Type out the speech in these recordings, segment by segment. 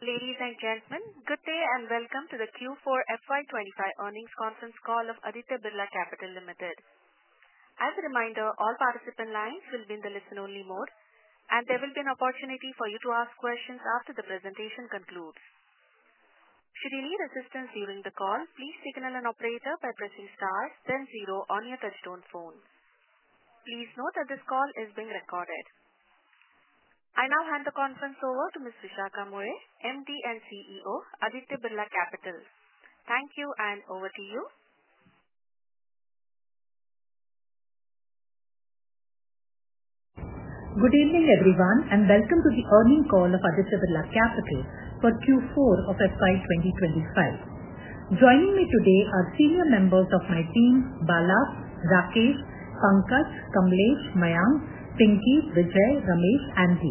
Ladies and gentlemen, good day and welcome to the Q4 FY 2025 earnings conference call of Aditya Birla Capital Limited. As a reminder, all participant lines will be in the listen-only mode, and there will be an opportunity for you to ask questions after the presentation concludes. Should you need assistance during the call, please signal an operator by pressing star then zero on your touchstone phone. Please note that this call is being recorded. I now hand the conference over to Ms. Vishakha Mulye, MD and CEO, Aditya Birla Capital. Thank you, and over to you. Good evening, everyone, and welcome to the earnings call of Aditya Birla Capital for Q4 of FY 2025. Joining me today are senior members of my team, Bala, Rakesh, Pankaj, Kamlesh, Mayank, Pinky, Vijay, Ramesh, and me.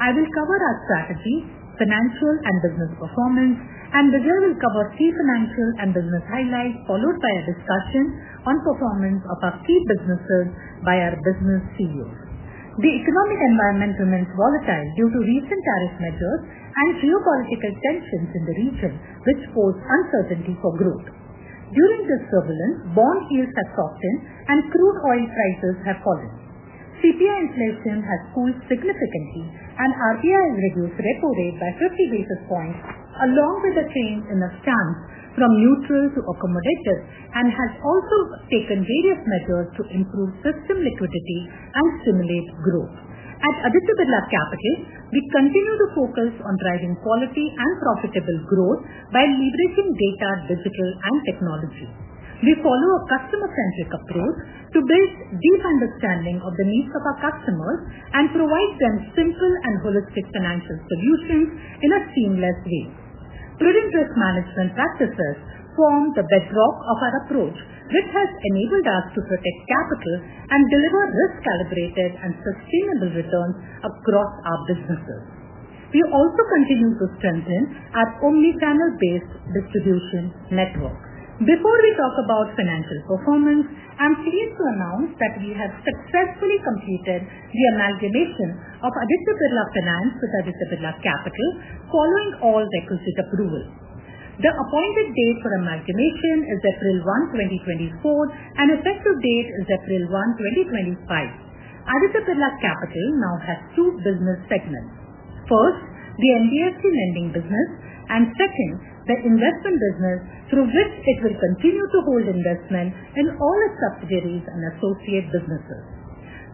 I will cover our strategy, financial and business performance, and Vijay will cover key financial and business highlights, followed by a discussion on performance of our key businesses by our business CEOs. The economic environment remains volatile due to recent tariff measures and geopolitical tensions in the region, which pose uncertainty for growth. During this turbulence, bond yields have softened, and crude oil prices have fallen. CPI inflation has cooled significantly, and RBI has reduced repo rate by 50 basis points, along with a change in the stance from neutral to accommodative, and has also taken various measures to improve system liquidity and stimulate growth. At Aditya Birla Capital, we continue to focus on driving quality and profitable growth by leveraging data, digital, and technology. We follow a customer-centric approach to build deep understanding of the needs of our customers and provide them simple and holistic financial solutions in a seamless way. Prudent risk management practices form the bedrock of our approach, which has enabled us to protect capital and deliver risk-calibrated and sustainable returns across our businesses. We also continue to strengthen our omnichannel-based distribution network. Before we talk about financial performance, I'm pleased to announce that we have successfully completed the amalgamation of Aditya Birla Finance with Aditya Birla Capital, following all requisite approvals. The appointed date for amalgamation is April 1, 2024, and the effective date is April 1, 2025. Aditya Birla Capital now has two business segments. First, the NBFC lending business, and second, the investment business, through which it will continue to hold investment in all its subsidiaries and associate businesses.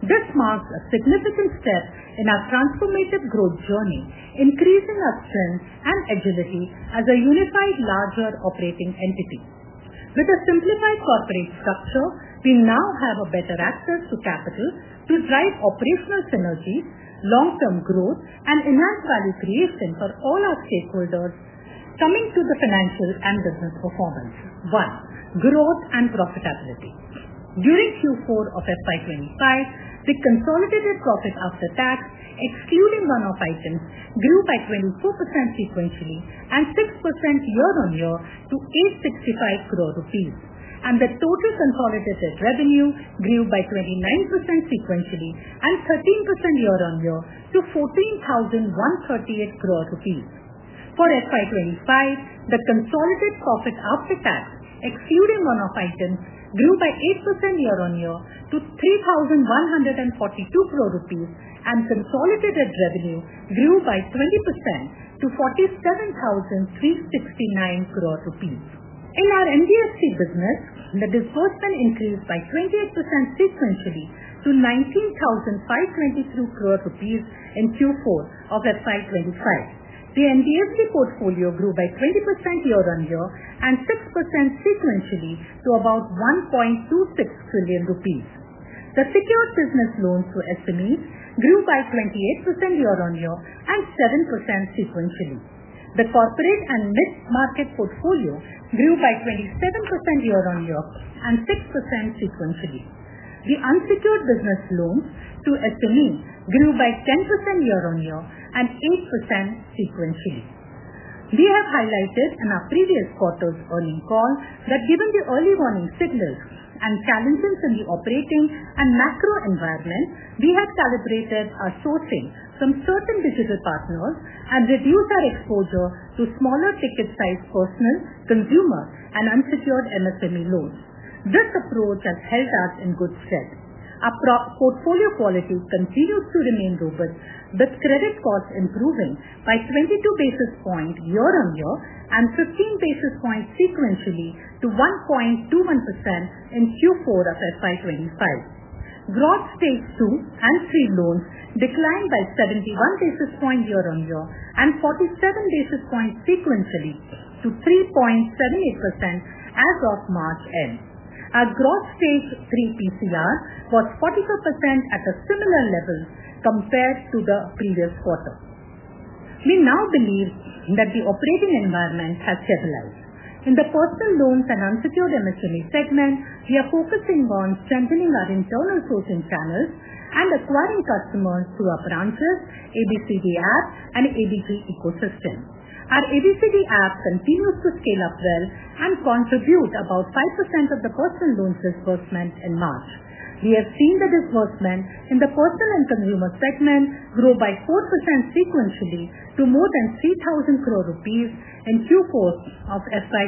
This marks a significant step in our transformative growth journey, increasing our strength and agility as a unified, larger operating entity. With a simplified corporate structure, we now have better access to capital to drive operational synergies, long-term growth, and enhanced value creation for all our stakeholders. Coming to the financial and business performance. One, growth and profitability. During Q4 of FY 2025, the consolidated profit after tax, excluding one-off items, grew by 24% sequentially and 6% year-on-year to 865 crore rupees, and the total consolidated revenue grew by 29% sequentially and 13% year-on-year to 14,138 crore rupees. For FY 2025, the consolidated profit after tax, excluding one-off items, grew by 8% year-on-year to 3,142 crore rupees, and consolidated revenue grew by 20% to 47,369 crore rupees. In our NBFC business, the disbursement increased by 28% sequentially to 19,523 crore rupees in Q4 of FY 2025. The NBFC portfolio grew by 20% year-on-year and 6% sequentially to about 1.26 trillion rupees. The secured business loans to SMEs grew by 28% year-on-year and 7% sequentially. The corporate and mid-market portfolio grew by 27% year-on-year and 6% sequentially. The unsecured business loans to SMEs grew by 10% year-on-year and 8% sequentially. We have highlighted in our previous quarter's earnings call that given the early warning signals and challenges in the operating and macro environment, we have calibrated our sourcing from certain digital partners and reduced our exposure to smaller ticket-sized personal, consumer, and unsecured MSME loans. This approach has held us in good stead. Our portfolio quality continues to remain robust, with credit costs improving by 22 basis points year-on-year and 15 basis points sequentially to 1.21% in Q4 of FY 2025. Gross stage two and three loans declined by 71 basis points year-on-year and 47 basis points sequentially to 3.78% as of March end. Our gross stage three PCR was 44% at a similar level compared to the previous quarter. We now believe that the operating environment has stabilized. In the personal loans and unsecured MSME segment, we are focusing on strengthening our internal sourcing channels and acquiring customers through our branches, ABCD app, and ABG ecosystem. Our ABCD app continues to scale up well and contribute about 5% of the personal loans disbursement in March. We have seen the disbursement in the personal and consumer segment grow by 4% sequentially to more than 3,000 crore rupees in Q4 of FY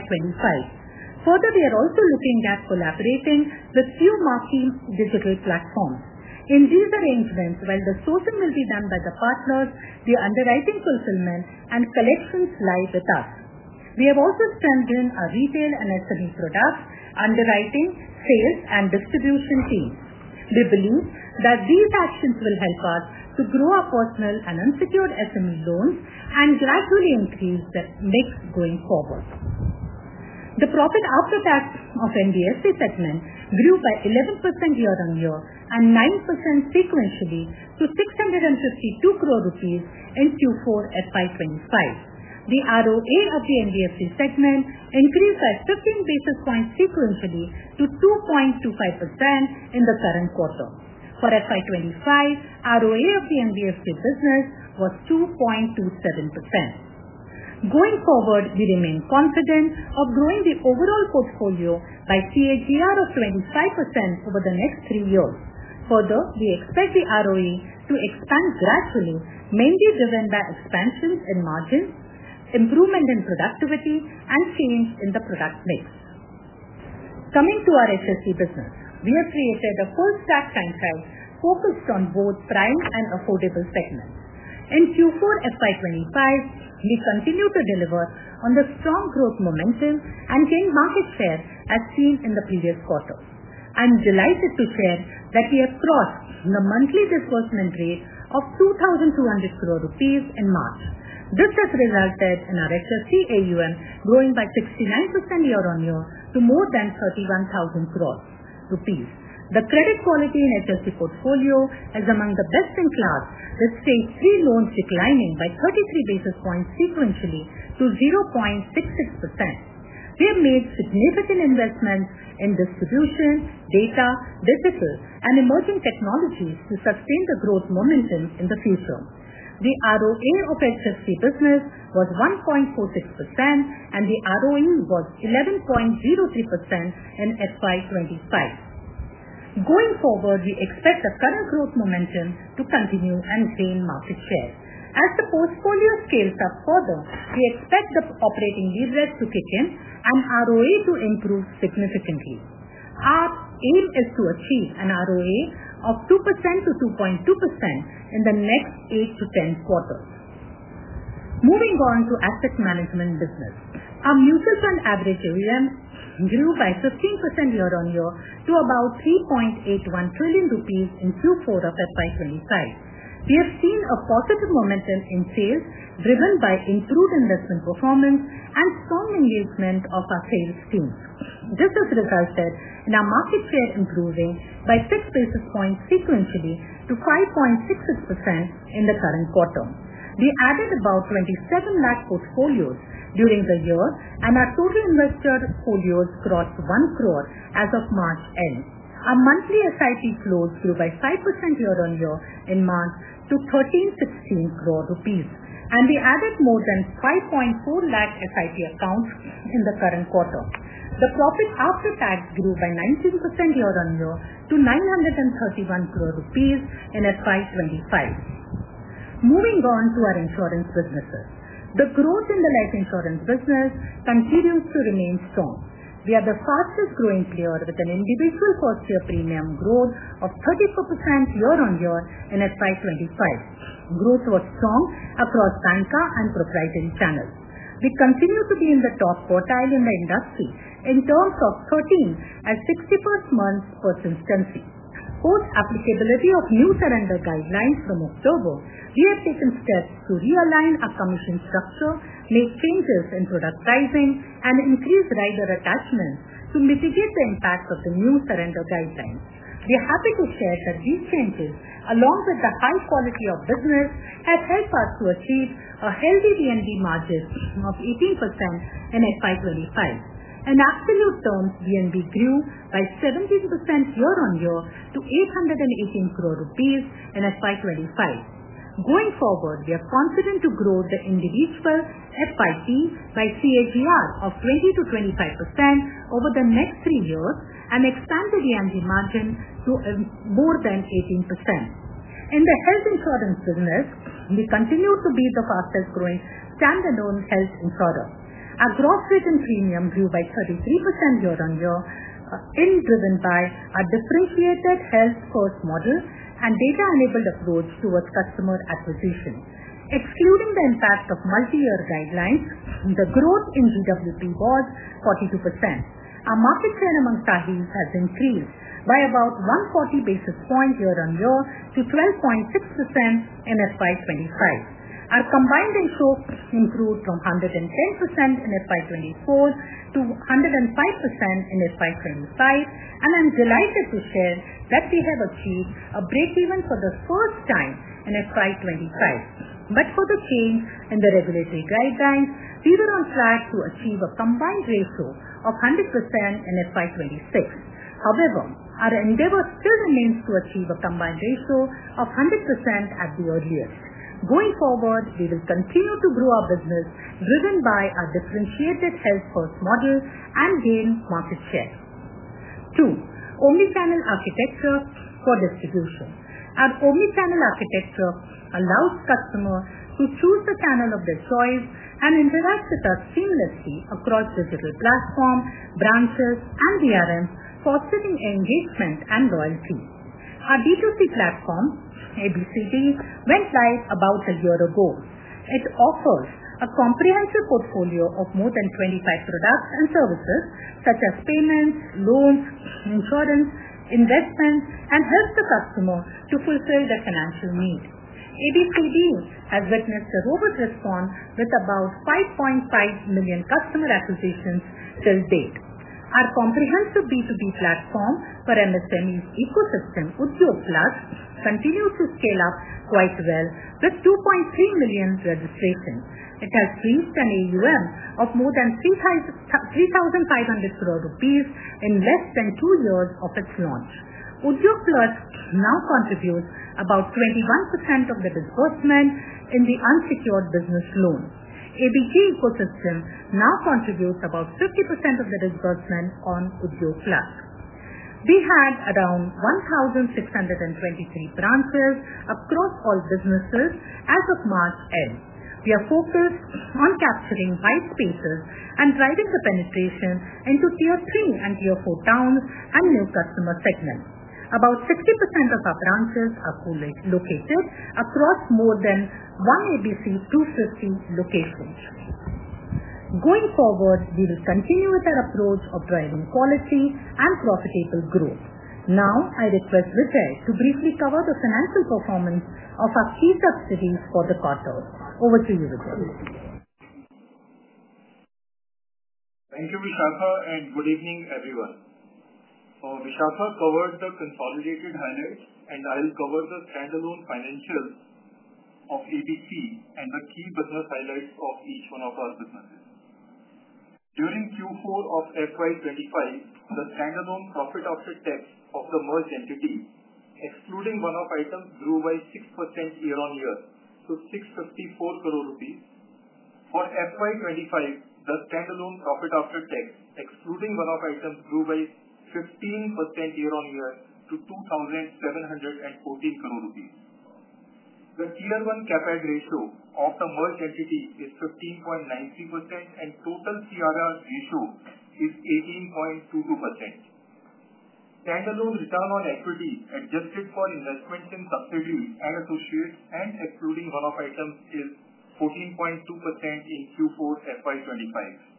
2025. Further, we are also looking at collaborating with few marquee digital platforms. In these arrangements, while the sourcing will be done by the partners, the underwriting, fulfillment, and collections lie with us. We have also strengthened our retail and SME products, underwriting, sales, and distribution teams. We believe that these actions will help us to grow our personal and unsecured SME loans and gradually increase the mix going forward. The profit after tax of NBFC segment grew by 11% year-on-year and 9% sequentially to 652 crore rupees in Q4 FY 2025. The ROA of the NBFC segment increased by 15 basis points sequentially to 2.25% in the current quarter. For FY 2025, ROA of the NBFC business was 2.27%. Going forward, we remain confident of growing the overall portfolio by CAGR of 25% over the next three years. Further, we expect the ROA to expand gradually, mainly driven by expansions in margins, improvement in productivity, and change in the product mix. Coming to our HFC business, we have created a full-stack franchise focused on both prime and affordable segments. In Q4 FY 2025, we continue to deliver on the strong growth momentum and gain market share as seen in the previous quarter. I'm delighted to share that we have crossed the monthly disbursement rate of 2,200 crore rupees in March. This has resulted in our HFC AUM growing by 69% year-on-year to more than 31,000 crore rupees. The credit quality in HFC portfolio is among the best in class, with stage three loans declining by 33 basis points sequentially to 0.66%. We have made significant investments in distribution, data, digital, and emerging technologies to sustain the growth momentum in the future. The ROA of HFC business was 1.46%, and the ROE was 11.03% in FY 2025. Going forward, we expect the current growth momentum to continue and gain market share. As the portfolio scales up further, we expect the operating leverage to kick in and ROA to improve significantly. Our aim is to achieve an ROA of 2%-2.2% in the next 8-10 quarters. Moving on to asset management business, our mutual fund average AUM grew by 15% year-on-year to about 3.81 trillion rupees in Q4 of FY 2025. We have seen a positive momentum in sales driven by improved investment performance and strong engagement of our sales teams. This has resulted in our market share improving by 6 basis points sequentially to 5.66% in the current quarter. We added about 2.7 million portfolios during the year, and our total investor portfolios crossed 1 crore as of March end. Our monthly SIP flows grew by 5% year-on-year in March to 1,316 crore rupees, and we added more than 5.4 lakhs SIP accounts in the current quarter. The profit after tax grew by 19% year-on-year to INR 931 crore in FY 2025. Moving on to our insurance businesses, the growth in the life insurance business continues to remain strong. We are the fastest-growing player with an individual cost-share premium growth of 34% year-on-year in FY 2025. Growth was strong across banker and proprietary channels. We continue to be in the top quartile in the industry in terms of 13 and 61st months' purchase density. Post-applicability of new surrender guidelines from October, we have taken steps to realign our commission structure, make changes in product pricing, and increase rider attachments to mitigate the impacts of the new surrender guidelines. We're happy to share that these changes, along with the high quality of business, have helped us to achieve a healthy VNB margin of 18% in FY 2025. In absolute terms, VNB grew by 17% year-on-year to 818 crore rupees in FY 2025. Going forward, we are confident to grow the individual FYP by CAGR of 20%-25% over the next three years and expand the EMG margin to more than 18%. In the health insurance business, we continue to be the fastest-growing standalone health insurer. Our gross retained premium grew by 33% year-on-year in FY 2025, driven by our differentiated health cost model and data-enabled approach towards customer acquisition. Excluding the impact of multi-year guidelines, the growth in GWP was 42%. Our market share among SAHI has increased by about 140 basis points year-on-year to 12.6% in FY 2025. Our combined ratio improved from 110% in FY 2024 to 105% in FY 2025, and I'm delighted to share that we have achieved a break-even for the first time in FY 2025. For the change in the regulatory guidelines, we were on track to achieve a combined ratio of 100% in FY 2026. However, our endeavor still remains to achieve a combined ratio of 100% at the earliest. Going forward, we will continue to grow our business driven by our differentiated health cost model and gain market share. Two, omnichannel architecture for distribution. Our omnichannel architecture allows customers to choose the channel of their choice and interact with us seamlessly across digital platforms, branches, and DRMs, fostering engagement and loyalty. Our D2C platform, ABCD, went live about a year ago. It offers a comprehensive portfolio of more than 25 products and services, such as payments, loans, insurance, investments, and helps the customer to fulfill their financial need. ABCD has witnessed a robust response with about 5.5 million customer acquisitions till date. Our comprehensive B2B platform for MSMEs ecosystem, Udyog Plus, continues to scale up quite well with 2.3 million registrations. It has reached an AUM of more than 3,500 crore rupees in less than two years of its launch. Udyog Plus now contributes about 21% of the disbursement in the unsecured business loan. ABG ecosystem now contributes about 50% of the disbursement on Udyog Plus. We had around 1,623 branches across all businesses as of March end. We are focused on capturing white spaces and driving the penetration into tier three and tier four towns and new customer segments. About 60% of our branches are located across more than one [ABC 250] location. Going forward, we will continue with our approach of driving quality and profitable growth. Now, I request Vijay to briefly cover the financial performance of our key subsidiaries for the quarter. Over to you, Vijay. Thank you, Vishakha, and good evening, everyone. Vishakha covered the consolidated highlights, and I'll cover the standalone financials of ABC and the key business highlights of each one of our businesses. During Q4 of FY 2025, the standalone profit after tax of the merged entity, excluding one-off items, grew by 6% year-on-year to 654 crore rupees. For FY 2025, the standalone profit after tax, excluding one-off items, grew by 15% year-on-year to 2,714 crore rupees. The tier one CRAR ratio of the merged entity is 15.93%, and total CRAR ratio is 18.22%. Standalone return on equity adjusted for investments in subsidiaries and associates, and excluding one-off items, is 14.2% in Q4 FY 2025.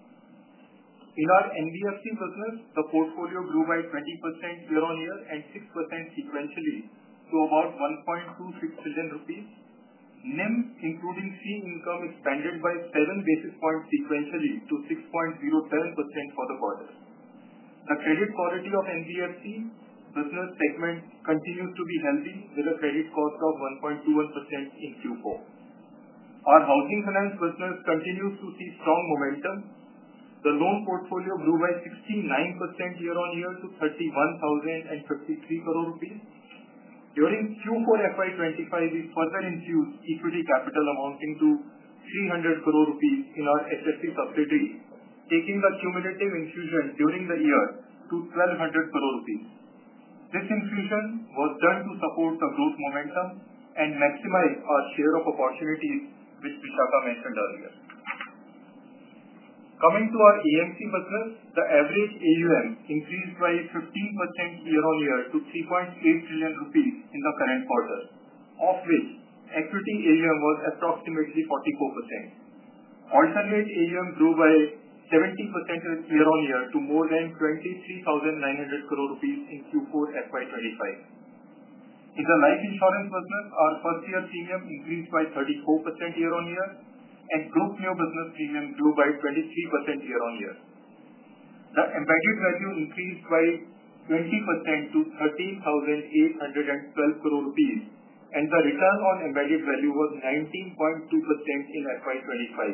In our NBFC business, the portfolio grew by 20% year-on-year and 6% sequentially to about 1.26 trillion rupees. NIM, including fee income, expanded by 7 basis points sequentially to 6.07% for the quarter. The credit quality of the NBFC business segment continues to be healthy, with a credit cost of 1.21% in Q4. Our housing finance business continues to see strong momentum. The loan portfolio grew by 69% year-on-year to 31,053 crore rupees. During Q4 FY 2025, we further infused equity capital amounting to 300 crore rupees in our HFC subsidiaries, taking the cumulative infusion during the year to 1,200 crore rupees. This infusion was done to support the growth momentum and maximize our share of opportunities, which Vishakha mentioned earlier. Coming to our AMC business, the average AUM increased by 15% year-on-year to 3.8 trillion rupees in the current quarter, of which equity AUM was approximately 44%. Alternate AUM grew by 70% year-on-year to more than 23,900 crore rupees in Q4 FY 2025. In the life insurance business, our first-year premium increased by 34% year-on-year, and group new business premium grew by 23% year-on-year. The embedded value increased by 20% to 13,812 crore, and the return on embedded value was 19.2% in FY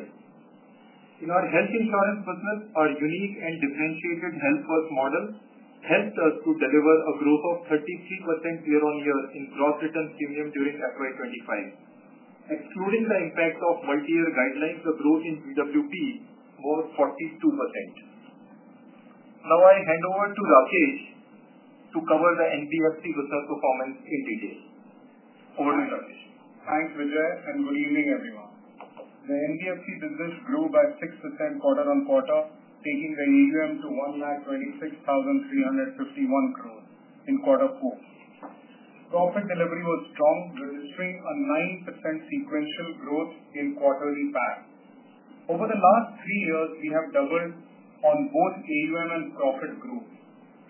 2025. In our health insurance business, our unique and differentiated health first model helped us to deliver a growth of 33% year-on-year in gross written premium during FY 2025. Excluding the impact of multi-year guidelines, the growth in GWP was 42%. Now, I hand over to Rakesh to cover the NBFC business performance in detail. Over to you, Rakesh. Thanks, Vijay, and good evening, everyone. The NBFC business grew by 6% quarter-on-quarter, taking the AUM to 1,26,351 crore in quarter four. Profit delivery was strong, registering a 9% sequential growth in quarterly PAT. Over the last three years, we have doubled on both AUM and profit growth,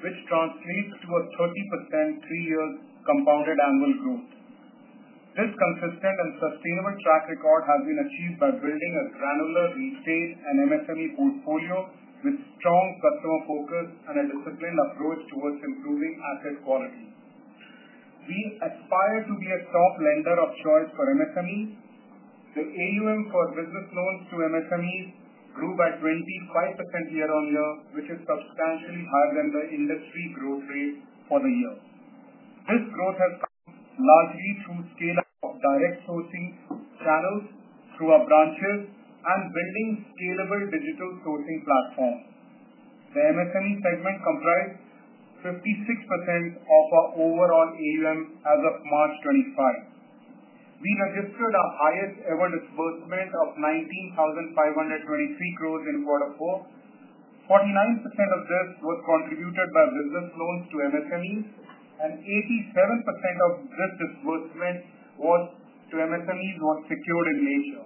which translates to a 30% three-year compounded annual growth. This consistent and sustainable track record has been achieved by building a granular retail and MSME portfolio with strong customer focus and a disciplined approach towards improving asset quality. We aspire to be a top lender of choice for MSMEs. The AUM for business loans to MSMEs grew by 25% year-on-year, which is substantially higher than the industry growth rate for the year. This growth has come largely through scale-up direct sourcing channels through our branches and building scalable digital sourcing platforms. The MSME segment comprised 56% of our overall AUM as of March 25. We registered our highest-ever disbursement of 19,523 crore in quarter four. 49% of this was contributed by business loans to MSMEs, and 87% of this disbursement to MSMEs was secured in nature.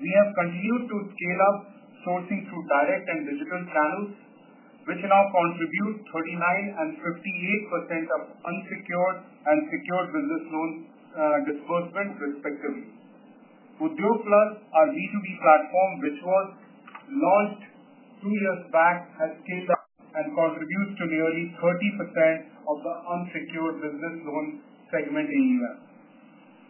We have continued to scale up sourcing through direct and digital channels, which now contribute 39% and 58% of unsecured and secured business loan disbursements, respectively. Udyog Plus, our B2B platform, which was launched two years back, has scaled up and contributes to nearly 30% of the unsecured business loan segment AUM.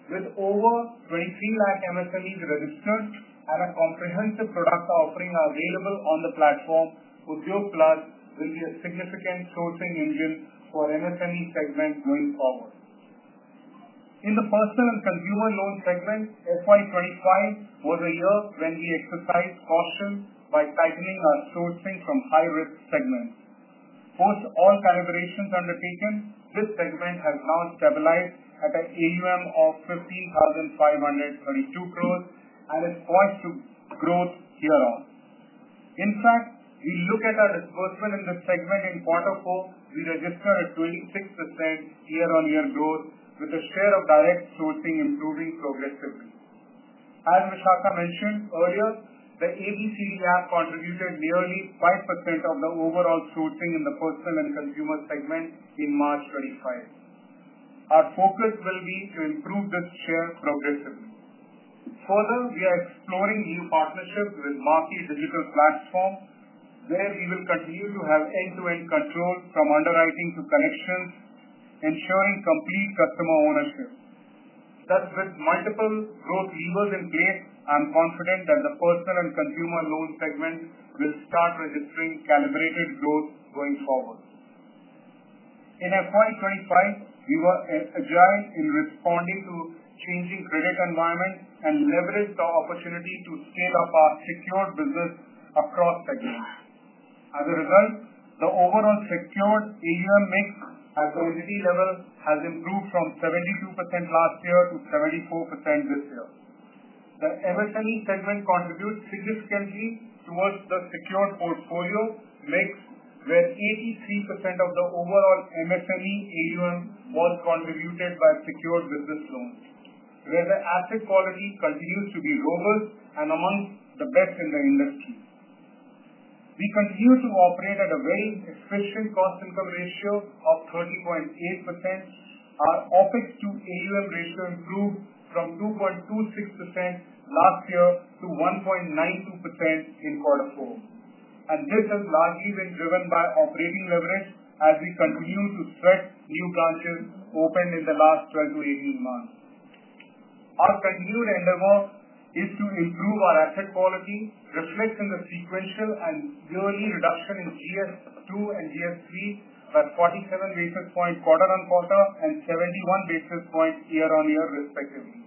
With over 2.3 million MSMEs registered and a comprehensive product offering available on the platform, Udyog Plus will be a significant sourcing engine for the MSME segment going forward. In the personal and consumer loan segment, FY 2025 was a year when we exercised caution by tightening our sourcing from high-risk segments. Post all calibrations undertaken, this segment has now stabilized at an AUM of 15,532 crore and is poised to grow year-on. In fact, if we look at our disbursement in this segment in quarter four, we registered a 26% year-on-year growth with the share of direct sourcing improving progressively. As Vishakha mentioned earlier, the ABCD app contributed nearly 5% of the overall sourcing in the personal and consumer segment in March 2025. Our focus will be to improve this share progressively. Further, we are exploring new partnerships with marquee digital platforms, where we will continue to have end-to-end control from underwriting to collections, ensuring complete customer ownership. Thus, with multiple growth levers in place, I'm confident that the personal and consumer loan segment will start registering calibrated growth going forward. In FY 2025, we were agile in responding to changing credit environments and leveraged the opportunity to scale up our secured business across segments. As a result, the overall secured AUM mix at the entity level has improved from 72% last year to 74% this year. The MSME segment contributes significantly towards the secured portfolio mix, where 83% of the overall MSME AUM was contributed by secured business loans, where the asset quality continues to be robust and among the best in the industry. We continue to operate at a very efficient cost-income ratio of 30.8%. Our OpEx to AUM ratio improved from 2.26% last year to 1.92% in quarter four. This has largely been driven by operating leverage as we continue to spread new branches open in the last 12-18 months. Our continued endeavor is to improve our asset quality, reflecting the sequential and yearly reduction in GS2 and GS3 by 47 basis points quarter on quarter and 71 basis points year-on-year, respectively.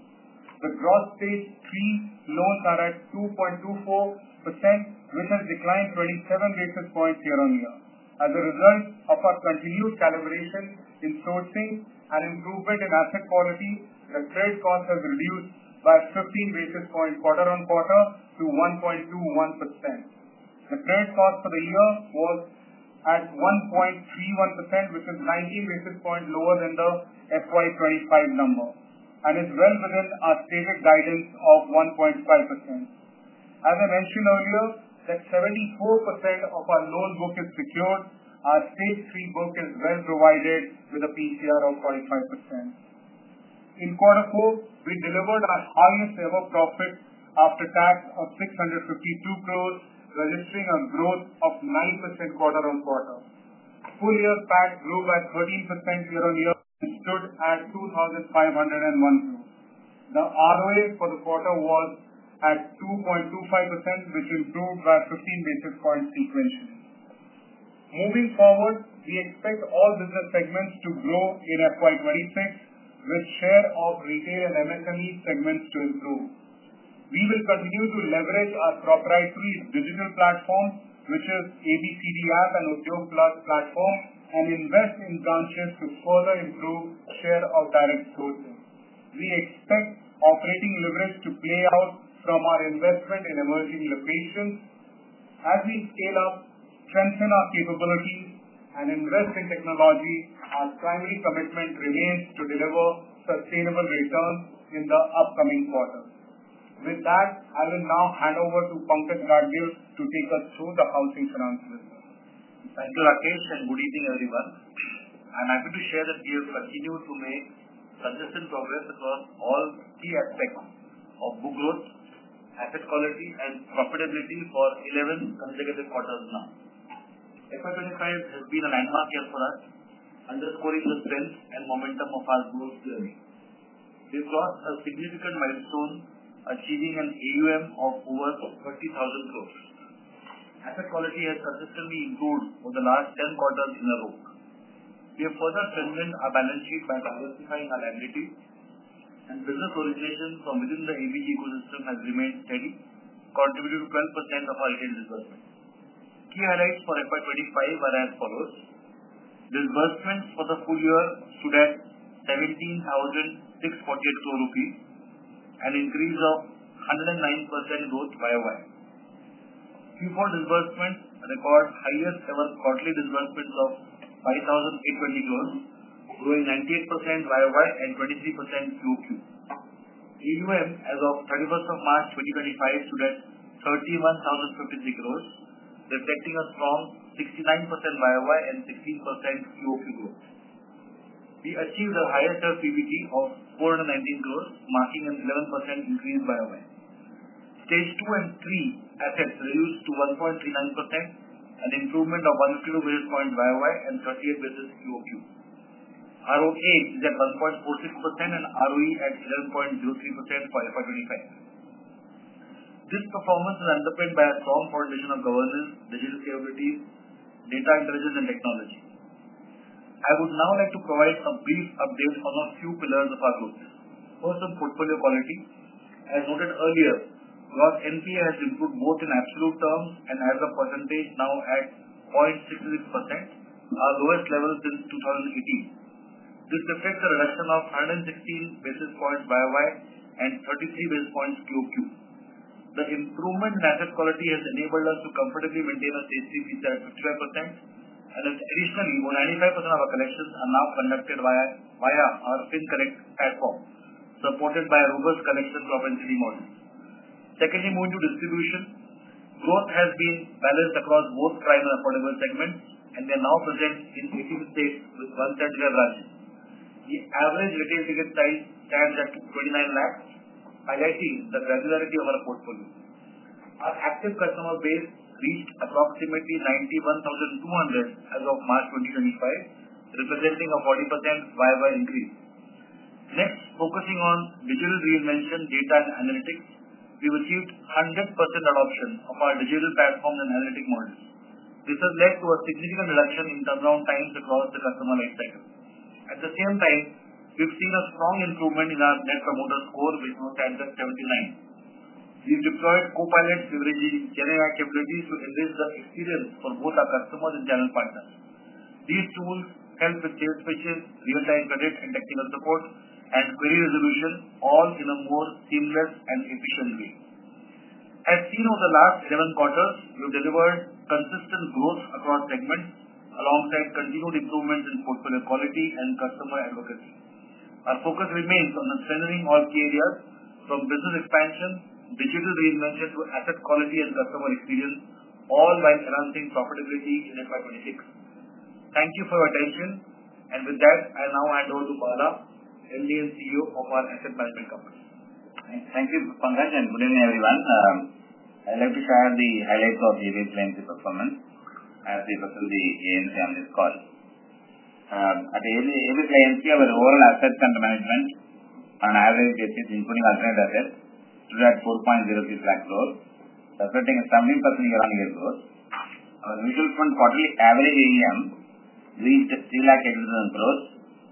The gross stage three loans are at 2.24%, which has declined 27 basis points year-on-year. As a result of our continued calibration in sourcing and improvement in asset quality, the credit cost has reduced by 15 basis points quarter on quarter to 1.21%. The credit cost for the year was at 1.31%, which is 19 basis points lower than the FY 2025 number, and is well within our stated guidance of 1.5%. As I mentioned earlier, 74% of our loan book is secured. Our stage three book is well provided with a PCR of 45%. In quarter four, we delivered our highest-ever profit after tax of 652 crore, registering a growth of 9% quarter on quarter. Full-year PAC grew by 13% year-on-year and stood at 2,501 crore. The ROA for the quarter was at 2.25%, which improved by 15 basis points sequentially. Moving forward, we expect all business segments to grow in FY 2026, with share of retail and MSME segments to improve. We will continue to leverage our proprietary digital platform, which is ABCD App and Udyog Plus platform, and invest in branches to further improve share of direct sourcing. We expect operating leverage to play out from our investment in emerging locations. As we scale up, strengthen our capabilities, and invest in technology, our primary commitment remains to deliver sustainable returns in the upcoming quarter. With that, I will now hand over to Pankaj Gadgil to take us through the housing finance business. Thank you, Rakesh, and good evening, everyone. I'm happy to share that we have continued to make consistent progress across all key aspects of book growth, asset quality, and profitability for 11 consecutive quarters now. Fiscal year 2025 has been a landmark year for us, underscoring the strength and momentum of our growth journey. We've crossed a significant milestone, achieving an AUM of over 30,000 crore. Asset quality has consistently improved over the last 10 quarters in a row. We have further strengthened our balance sheet by diversifying our liabilities, and business orientation from within the ABG ecosystem has remained steady, contributing to 12% of our retail disbursement. Key highlights for fiscal year 2025 are as follows: disbursements for the full year stood at INR 17,648 crore, an increase of 109% YOY. Q4 disbursements record highest-ever quarterly disbursements of 5,820 crore, growing 98% YOY and 23% QOQ. AUM as of 31 March 2025 stood at 31,053 crore, reflecting a strong 69% YOY and 16% QOQ growth. We achieved a highest-ever PBT of INR 419 crore, marking an 11% increase YOY. Stage two and three assets reduced to 1.39%, an improvement of 1 percentage point YOY and 38 basis points QOQ. ROA is at 1.46% and ROE at 11.03% for FY 2025. This performance is underpinned by a strong foundation of governance, digital capabilities, data intelligence, and technology. I would now like to provide some brief updates on a few pillars of our growth. First, on portfolio quality. As noted earlier, gross NPA has improved both in absolute terms and as a percentage now at 0.66%, our lowest level since 2018. This reflects a reduction of 116 basis points YOY and 33 basis points QOQ. The improvement in asset quality has enabled us to comfortably maintain a stage three feature at 55%, and additionally, over 95% of our collections are now conducted via our [fin collect] platform, supported by a robust collection propensity model. Secondly, moving to distribution, growth has been balanced across both prime and affordable segments, and we are now present in 18 states with 1.5 branches. The average retail ticket size stands at 29 lakh, highlighting the granularity of our portfolio. Our active customer base reached approximately 91,200 as of March 2025, representing a 40% YOY increase. Next, focusing on digital reinvention, data, and analytics, we've achieved 100% adoption of our digital platforms and analytic models. This has led to a significant reduction in turnaround times across the customer lifecycle. At the same time, we've seen a strong improvement in our net promoter score, which was at 79. We have deployed Copilot, leveraging GenAI capabilities to enrich the experience for both our customers and channel partners. These tools help with sales pitches, real-time credit and technical support, and query resolution, all in a more seamless and efficient way. As seen over the last 11 quarters, we have delivered consistent growth across segments alongside continued improvements in portfolio quality and customer advocacy. Our focus remains on the centering of key areas from business expansion, digital reinvention, to asset quality and customer experience, all while enhancing profitability in FY 2026. Thank you for your attention. I now hand over to Bala, MD and CEO of our asset management company. Thank you, Pankaj, and good evening, everyone. I would like to share the highlights of Aditya AMC's performance as we present the AMC on this call. At Aditya AMC, our overall assets under management on average basis, including alternate assets, stood at INR 4.03 lakh crore, reflecting a 17% year-on-year growth. Our mutual fund quarterly average AUM reached INR 3.8 lakh crore,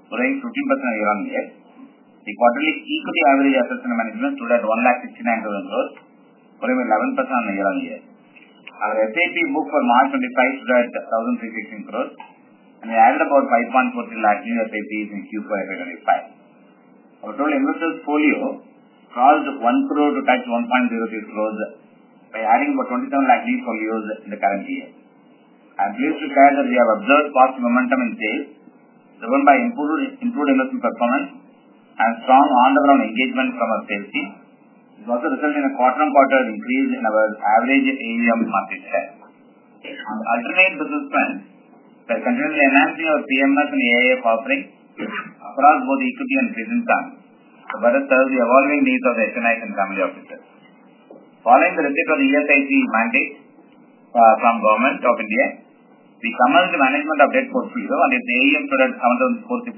growing 15% year-on-year. The quarterly equity average assets under management stood at INR 1.69 lakh crore, growing 11% year-on-year. Our SIP book for March 2025 stood at 1,316 crore, and we added about 514,000 new SIPs in Q4 FY 2025. Our total investors' folio count crossed 10 million to touch 10.3 million by adding about 2.7 million new folios in the current year. I'm pleased to share that we have observed positive momentum in sales, driven by improved investment performance and strong on-ground engagement from our sales team. This also resulted in a quarter-on-quarter increase in our average AUM market share. Alternate business plans have continued to enhance our PMS and AIF offering across both equity and trading companies, to better serve the evolving needs of the HMIs and family offices. Following the recent ESIC mandate from Government of India, we commented on the management update portfolio, and if the AUM stood at INR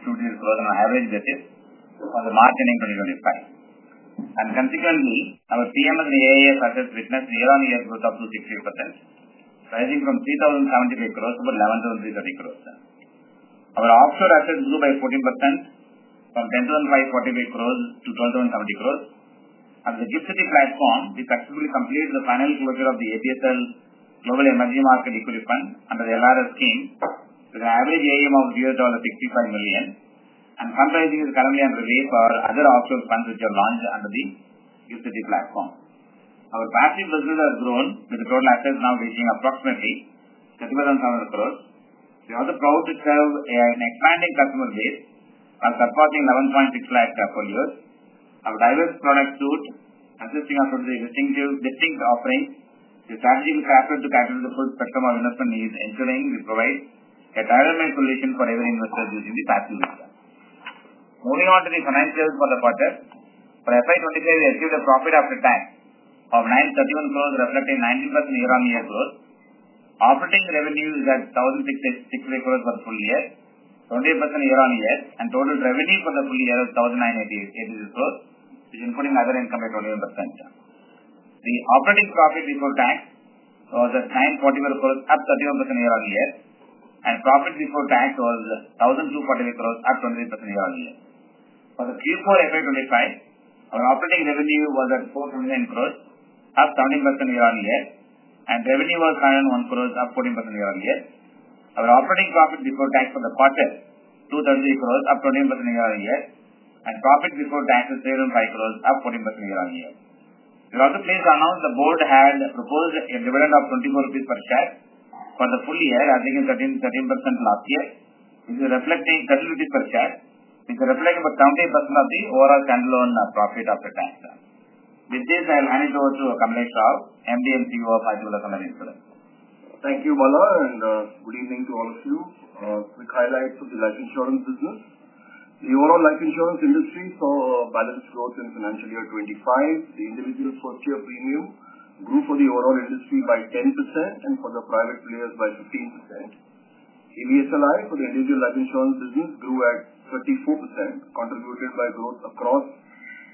7,462 crore on average basis for the March ending 2025. Consequently, our PMS and AIF assets witnessed year-on-year growth up to 68%, rising from 3,075 crore to 11,330 crore. Our offshore assets grew by 14% from 10,548 crore to 12,070 crore. At the Gipshati platform, we successfully completed the final closure of the ABSL Global Emerging Market Equity Fund under the LRS scheme, with an average AUM of $65 million, and fundraising is currently underway for other offshore funds which are launched under the ABCD platform. Our passive business has grown, with the total assets now reaching approximately 3,700 crore. We are also proud to serve an expanding customer base while surpassing 1.16 million folios. Our diverse product suite, consisting of 23 distinct offerings, is strategically crafted to cater to the full spectrum of investment needs, ensuring we provide a tailor-made solution for every investor using the passive investor. Moving on to the financials for the quarter, for FY 2025, we achieved a profit after tax of 931 crore, reflecting 19% year-on-year growth. Operating revenue is at 1,663 crore for the full year, 28% year-on-year, and total revenue for the full year is 1,983 crore, which is including other income by 21%. The operating profit before tax was at 941 crore, up 31% year-on-year, and profit before tax was 1,248 crore, up 23% year-on-year. For Q4 FY 2025, our operating revenue was at 429 crore, up 17% year-on-year, and revenue was 101 crore, up 14% year-on-year. Our operating profit before tax for the quarter was 233 crore, up 21% year-on-year, and profit before tax was 305 crore, up 14% year-on-year. We're also pleased to announce the board had proposed a dividend of 24 rupees per share for the full year, adding in 13% last year, which is reflecting 13 rupees per share, which is reflecting about 70% of the overall standalone profit after tax. With this, I'll hand it over to Kamlesh Rao, MD and CEO of Aditya Birla Sun Life Insurance. Thank you, Bala, and good evening to all of you. Quick highlights of the life insurance business. The overall life insurance industry saw balanced growth in financial year 2025. The individual first-year premium grew for the overall industry by 10% and for the private players by 15%. ABSLI for the individual life insurance business grew at 34%, contributed by growth across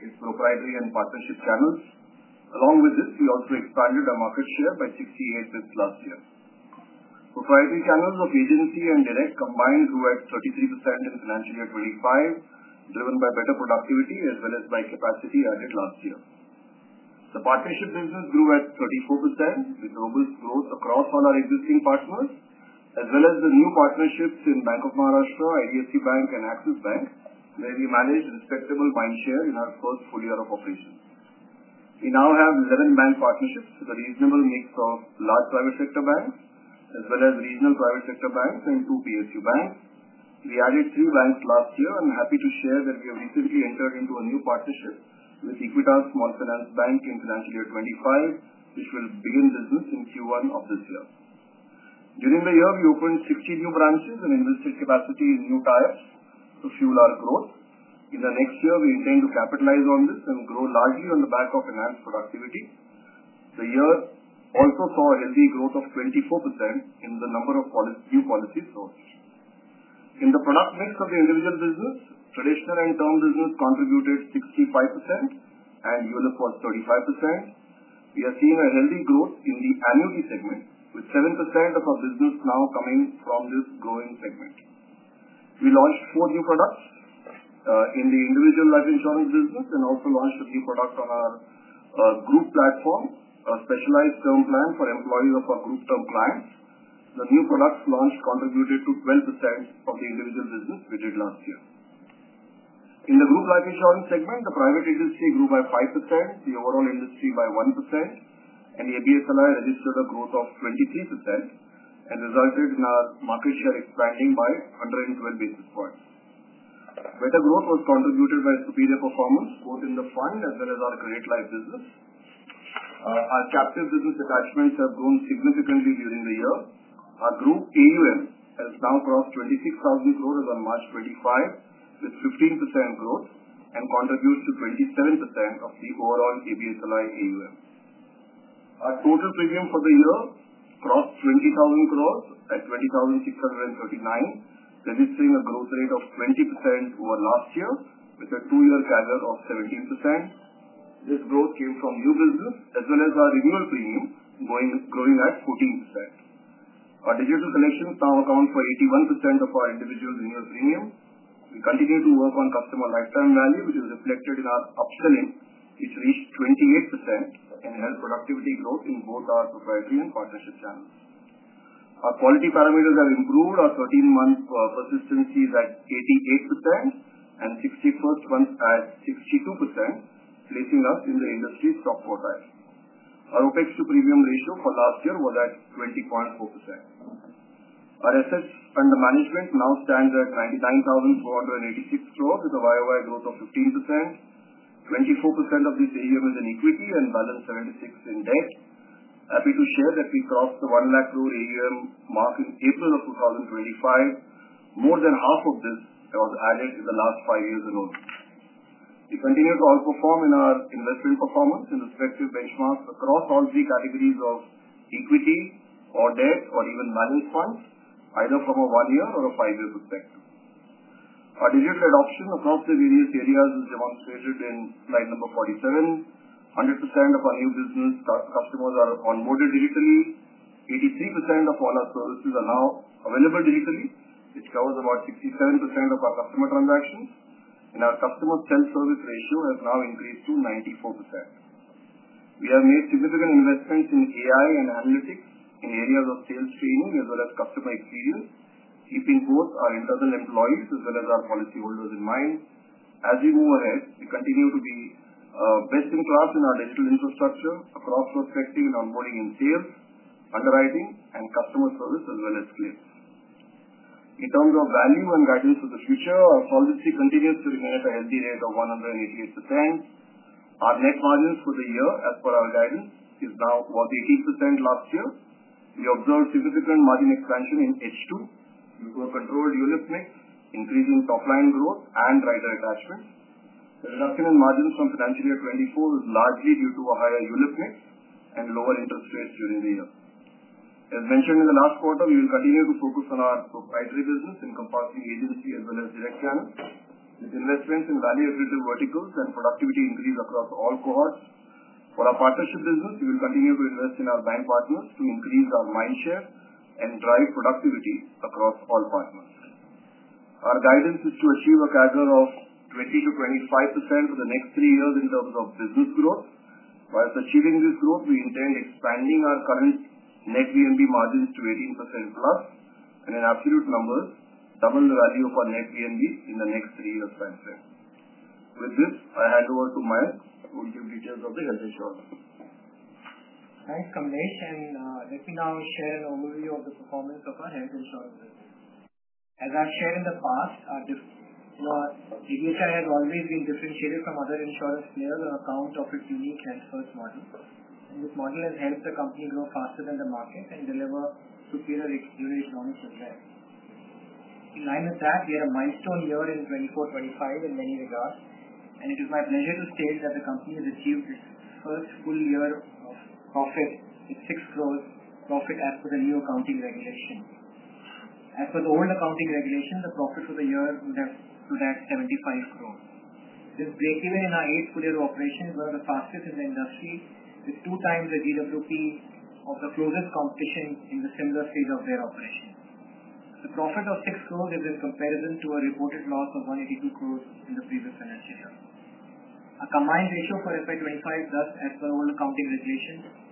its proprietary and partnership channels. Along with this, we also expanded our market share by 68% last year. Proprietary channels of agency and direct combined grew at 33% in financial year 2025, driven by better productivity as well as by capacity added last year. The partnership business grew at 34% with robust growth across all our existing partners, as well as the new partnerships in Bank of Maharashtra, IDFC Bank, and Axis Bank, where we managed respectable mind share in our first full year of operation. We now have 11 bank partnerships, a reasonable mix of large private sector banks as well as regional private sector banks and two PSU banks. We added three banks last year and are happy to share that we have recently entered into a new partnership with Equitas Small Finance Bank in financial year 2025, which will begin business in Q1 of this year. During the year, we opened 60 new branches and invested capacity in new tiers to fuel our growth. In the next year, we intend to capitalize on this and grow largely on the back of enhanced productivity. The year also saw a healthy growth of 24% in the number of new policies sold. In the product mix of the individual business, traditional and term business contributed 65%, and ULIP was 35%. We are seeing a healthy growth in the annuity segment, with 7% of our business now coming from this growing segment. We launched four new products in the individual life insurance business and also launched a new product on our group platform, a specialized term plan for employees of our group term clients. The new products launched contributed to 12% of the individual business we did last year. In the group life insurance segment, the private industry grew by 5%, the overall industry by 1%, and ABSLI registered a growth of 23% and resulted in our market share expanding by 112 basis points. Better growth was contributed by superior performance, both in the fund as well as our credit life business. Our captive business attachments have grown significantly during the year. Our group AUM has now crossed 26,000 crore as of March 25, with 15% growth and contributes to 27% of the overall ABSLI AUM. Our total premium for the year crossed 20,000 crore at 20,639 crore, registering a growth rate of 20% over last year, with a two-year carrier of 17%. This growth came from new business as well as our renewal premium growing at 14%. Our digital collections now account for 81% of our individual renewal premium. We continue to work on customer lifetime value, which is reflected in our upselling, which reached 28% and enhanced productivity growth in both our proprietary and partnership channels. Our quality parameters have improved. Our 13-month persistency is at 88% and 61st month at 62%, placing us in the industry's top quartile. Our OpEx to premium ratio for last year was at 20.4%. Our assets under management now stand at 99,486 crore, with a year-over-year growth of 15%. 24% of this AUM is in equity and balance 76% in debt. Happy to share that we crossed the 1 lakh crore AUM mark in April of 2025. More than half of this was added in the last five years alone. We continue to outperform in our investment performance in respective benchmarks across all three categories of equity, or debt, or even balance funds, either from a one-year or a five-year perspective. Our digital adoption across the various areas is demonstrated in slide number 47. 100% of our new business customers are onboarded digitally. 83% of all our services are now available digitally, which covers about 67% of our customer transactions. Our customer self-service ratio has now increased to 94%. We have made significant investments in AI and analytics in areas of sales training as well as customer experience, keeping both our internal employees as well as our policyholders in mind. As we move ahead, we continue to be best in class in our digital infrastructure across prospecting and onboarding in sales, underwriting, and customer service as well as claims. In terms of value and guidance for the future, our solvency continues to remain at a healthy rate of 188%. Our net margins for the year, as per our guidance, is now about 18% last year. We observed significant margin expansion in H2 due to a controlled ULF mix, increasing top-line growth and rider attachments. The reduction in margins from financial year 2024 is largely due to a higher ULF mix and lower interest rates during the year. As mentioned in the last quarter, we will continue to focus on our proprietary business encompassing agency as well as direct channels, with investments in value-attributive verticals and productivity increase across all cohorts. For our partnership business, we will continue to invest in our bank partners to increase our mind share and drive productivity across all partners. Our guidance is to achieve a CAGR of 20%-25% for the next three years in terms of business growth. Whilst achieving this growth, we intend expanding our current net VNB margins to 18%+, and in absolute numbers, double the value of our net VNB in the next three years, I would say. With this, I hand over to Mayank who will give details of the health insurance. Thanks, Kamlesh. Let me now share an overview of the performance of our health insurance business. As I've shared in the past, our ABHI has always been differentiated from other insurance players on account of its unique health first model. This model has helped the company grow faster than the market and deliver superior economic success. In line with that, we had a milestone year in 2024, 2025 in many regards, and it is my pleasure to state that the company has achieved its first full year of profit with 6 crore profit as per the new accounting regulation. As per the old accounting regulation, the profit for the year would have stood at 75 crore. This breakeven in our eighth full year of operation is one of the fastest in the industry, with two times the GWP of the closest competition in the similar phase of their operation. The profit of 6 crore is in comparison to a reported loss of 182 crore in the previous financial year. Our combined ratio for FY 2025 thus, as per old accounting regulation,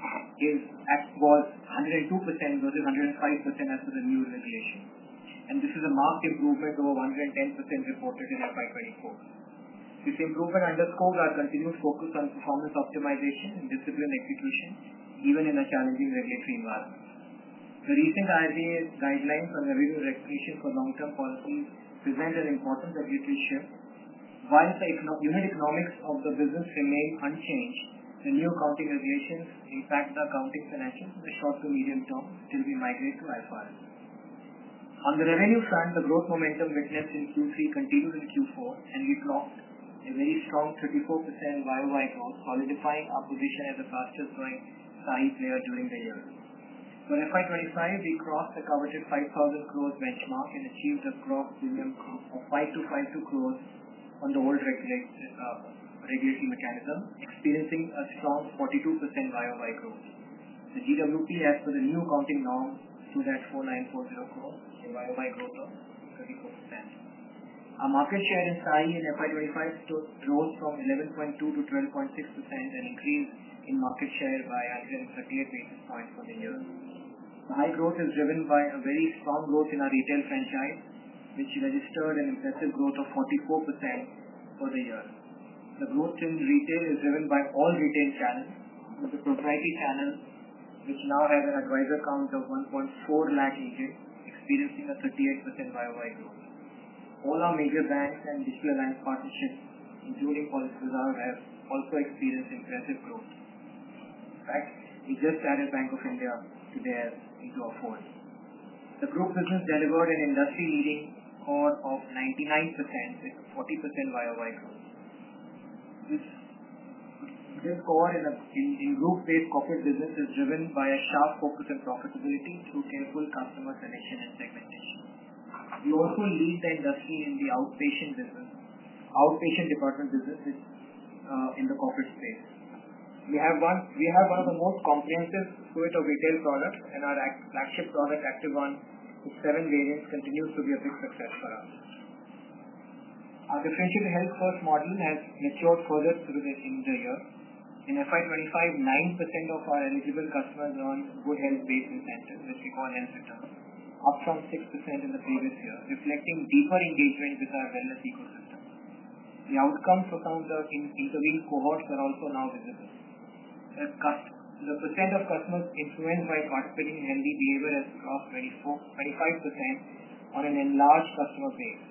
was 102% versus 105% as per the new regulation. This is a marked improvement over 110% reported in FY 2024. This improvement underscores our continued focus on performance optimization and discipline execution, even in a challenging regulatory environment. The recent IRA guidelines on revenue recognition for long-term policies present an important regulatory shift. Whilst the unit economics of the business remain unchanged, the new accounting regulations impact the accounting financials in the short to medium term until we migrate to IFRS. On the revenue front, the growth momentum witnessed in Q3 continued in Q4, and we clocked a very strong 34% YOY growth, solidifying our position as a fastest-growing SAHI player during the year. For FY 2025, we crossed the coveted 5,000 crore benchmark and achieved a gross premium of 5,252 crore on the old regulatory mechanism, experiencing a strong 42% YOY growth. The GWP, as per the new accounting norm, stood at 4,940 crore in YOY growth of 34%. Our market share in SAHI in FY 2025 rose from 11.2% to 12.6% and increased in market share by 138 basis points for the year. The high growth is driven by a very strong growth in our retail franchise, which registered an impressive growth of 44% for the year. The growth in retail is driven by all retail channels, with the proprietary channel, which now has an advisor count of 140,000 agents, experiencing a 38% YOY growth. All our major banks and digital alliance partnerships, including PolicyBazaar, have also experienced impressive growth. In fact, we just added Bank of India into our fold. The group business delivered an industry-leading score of 99% with a 40% YOY growth. This score in group-based corporate business is driven by a sharp focus on profitability through careful customer selection and segmentation. We also lead the industry in the outpatient department business in the corporate space. We have one of the most comprehensive suites of retail products, and our flagship product, Activ One, with seven variants, continues to be a big success for us. Our differentiated health first model has matured further through the year in FY 2025. 9% of our eligible customers are on good health-based incentives, which we call health returns, up from 6% in the previous year, reflecting deeper engagement with our wellness ecosystem. The outcomes for some of the intervened cohorts are also now visible. The percent of customers influenced by participating in healthy behavior has crossed 25% on an enlarged customer base.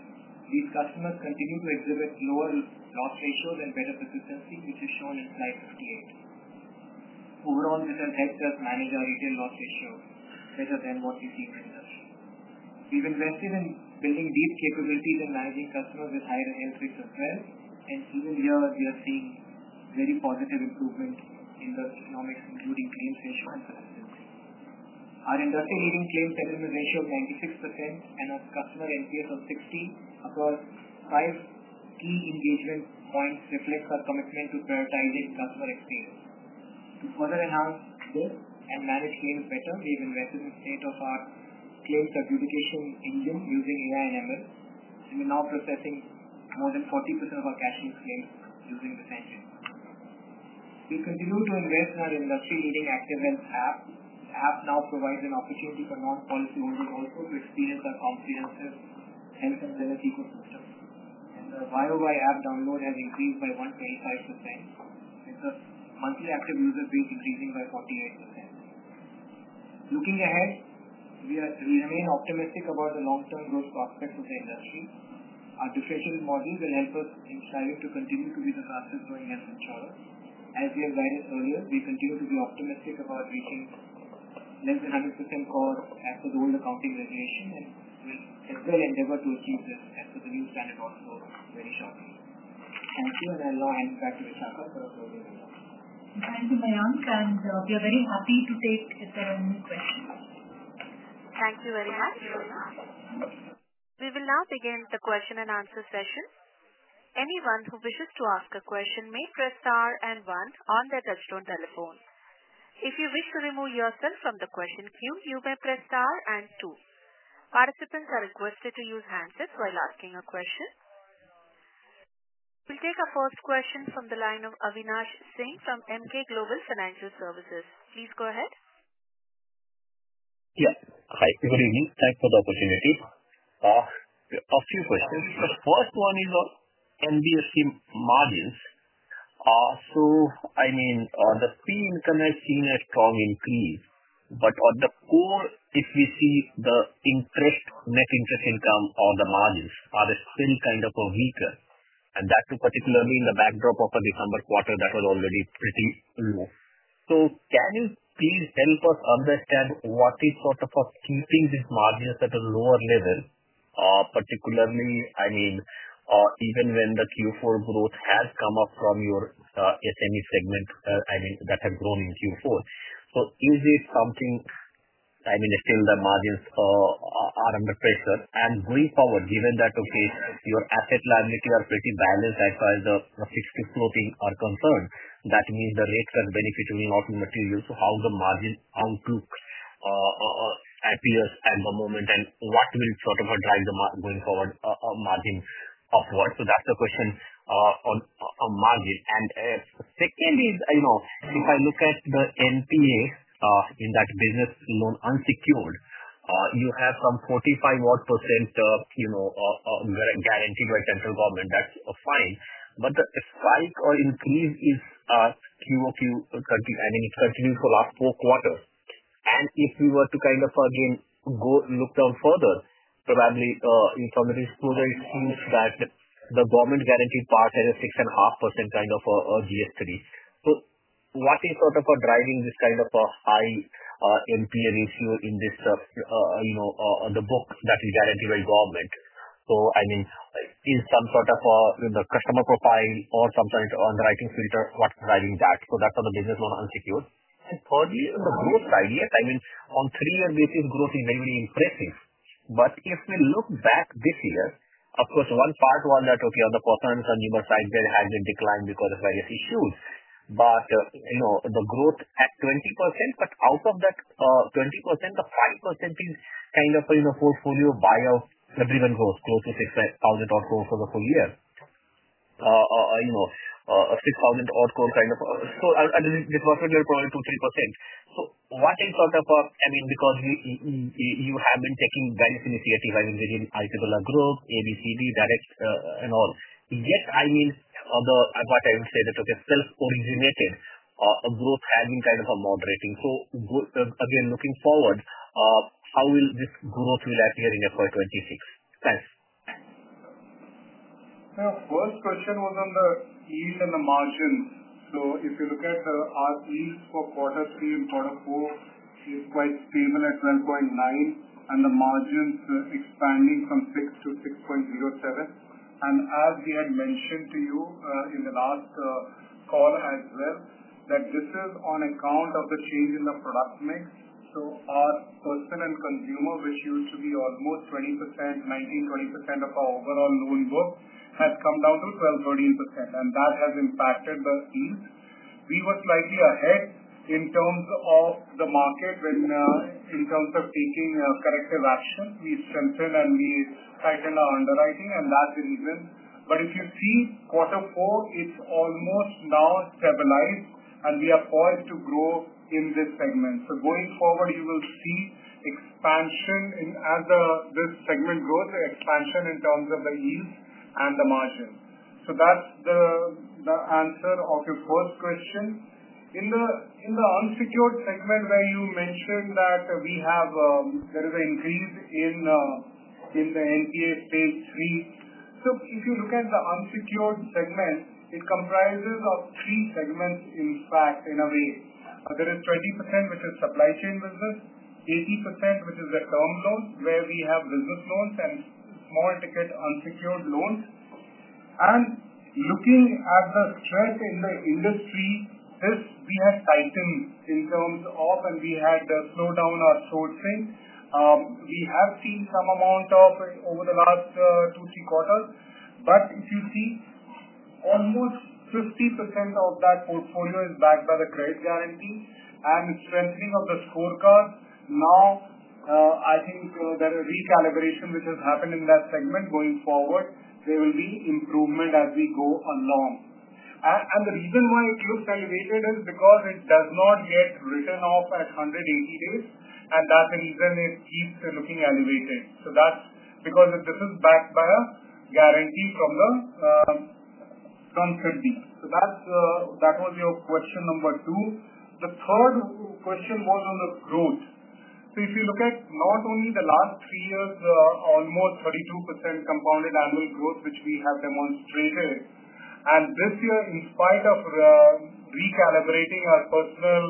These customers continue to exhibit lower loss ratios and better persistency, which is shown in slide 58. Overall, this has helped us manage our retail loss ratio better than what we see in the industry. We've invested in building deep capabilities and managing customers with higher health risks as well. Even here, we are seeing very positive improvements in the economics, including claims ratio and solvency. Our industry-leading claims settlement ratio of 96% and our customer NPS of 60 across five key engagement points reflects our commitment to prioritizing customer experience. To further enhance this and manage claims better, we've invested in a state-of-the-art claims adjudication engine using AI and ML, and we're now processing more than 40% of our cashless claims using this engine. We continue to invest in our industry-leading ActivWell app. The app now provides an opportunity for non-policyholders also to experience our comprehensive health and wellness ecosystem. The year-over-year app download has increased by 125%, with the monthly active user base increasing by 48%. Looking ahead, we remain optimistic about the long-term growth prospects of the industry. Our differential model will help us in striving to continue to be the fastest-growing health insurer. As we have guided earlier, we continue to be optimistic about reaching less than 100% cost as per the old accounting regulation, and we'll as well endeavor to achieve this as per the new standard also very shortly. Thank you, and I'll now hand it back to Vishakha for a closing remark. Thank you, Mayank, and we are very happy to take the new questions. Thank you very much. We will now begin the question and answer session. Anyone who wishes to ask a question may press star and one on their touchstone telephone. If you wish to remove yourself from the question queue, you may press star and two. Participants are requested to use handsets while asking a question. We'll take our first question from the line of Avinash Singh from Emkay Global Financial Services. Please go ahead. Yeah. Hi. Good evening. Thanks for the opportunity. A few questions. The first one is on NBFC margins. So I mean, the P increment has seen a strong increase, but on the core, if we see the net interest income on the margins, are they still kind of weaker? That too particularly in the backdrop of a December quarter that was already pretty low. Can you please help us understand what is sort of keeping these margins at a lower level, particularly, I mean, even when the Q4 growth has come up from your SME segment, I mean, that has grown in Q4. Is it something, I mean, still the margins are under pressure? Going forward, given that, okay, your asset liability are pretty balanced as far as the fixed floating are concerned, that means the rates and benefits will not be material. How does the margin outlook appear at the moment and what will sort of drive the margin upward? That's the question on margin. Secondly, if I look at the NPA in that business loan unsecured, you have some 45-odd percent guaranteed by central government. That's fine. The spike or increase is QOQ, I mean, it continues for the last four quarters. If we were to kind of, again, go look down further, probably from the disclosure, it seems that the government guaranteed part has a 6.5% kind of a GS3. What is sort of driving this kind of a high NPA ratio in this on the book that is guaranteed by government? I mean, is some sort of a customer profile or some sort of underwriting filter what's driving that? That's on the business loan unsecured. Thirdly, on the growth side, yes, I mean, on a three-year basis, growth is very, very impressive. If we look back this year, of course, one part was that, okay, on the performance on the newer side, there has been a decline because of various issues. The growth at 20%, but out of that 20%, the 5% is kind of a portfolio buyout, everyone grows close to 6,000-odd crore for the full year, 6,000-odd crore kind of. This was probably 2%-3%. What is sort of a, I mean, because you have been taking various initiatives, I mean, within Aditya Birla Group, ABCD, direct and all. Yet, I mean, what I would say is that, okay, self-originated growth has been kind of moderating. Again, looking forward, how will this growth appear in FY 2026? Thanks. The first question was on the yield and the margins. If you look at our yields for quarter three and quarter four, it is quite stable at 12.9, and the margins are expanding from 6 to 6.07. As we had mentioned to you in the last call as well, this is on account of the change in the product mix. Our personal and consumer, which used to be almost 19%, 20% of our overall loan book, has come down to 12%, 13%. That has impacted the yield. We were slightly ahead in terms of the market in taking corrective action. We strengthened and we tightened our underwriting, and that is the reason. If you see quarter four, it's almost now stabilized, and we are poised to grow in this segment. Going forward, you will see expansion as this segment grows, expansion in terms of the yields and the margins. That's the answer to your first question. In the unsecured segment where you mentioned that there is an increase in the NPA stage three, if you look at the unsecured segment, it comprises three segments, in fact, in a way. There is 20%, which is supply chain business, 80%, which is the term loans where we have business loans and small ticket unsecured loans. Looking at the stress in the industry, we have tightened in terms of, and we had to slow down our sourcing. We have seen some amount of, over the last two, three quarters. If you see, almost 50% of that portfolio is backed by the credit guarantee and strengthening of the scorecard. Now, I think there is recalibration, which has happened in that segment. Going forward, there will be improvement as we go along. The reason why it looks elevated is because it does not get written off at 180 days, and that's the reason it keeps looking elevated. That's because this is backed by a guarantee from the non-first deed. That was your question number two. The third question was on the growth. If you look at not only the last three years, almost 32% compounded annual growth, which we have demonstrated, and this year, in spite of recalibrating our personal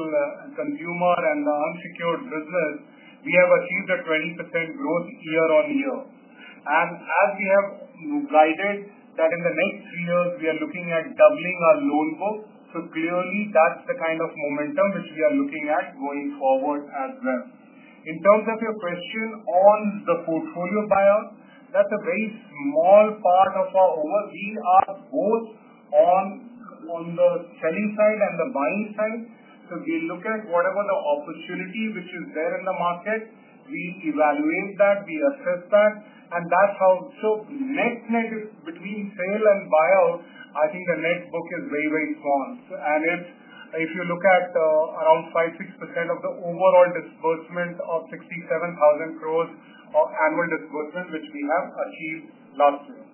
consumer and the unsecured business, we have achieved a 20% growth year-on-year. As we have guided that in the next three years, we are looking at doubling our loan book. Clearly, that's the kind of momentum which we are looking at going forward as well. In terms of your question on the portfolio buyout, that's a very small part of our overall. We are both on the selling side and the buying side. We look at whatever the opportunity which is there in the market, we evaluate that, we assess that, and that's how. Net-net between sale and buyout, I think the net book is very, very small. If you look at around 5%-6% of the overall disbursement of 67,000 crore of annual disbursement, which we have achieved last year.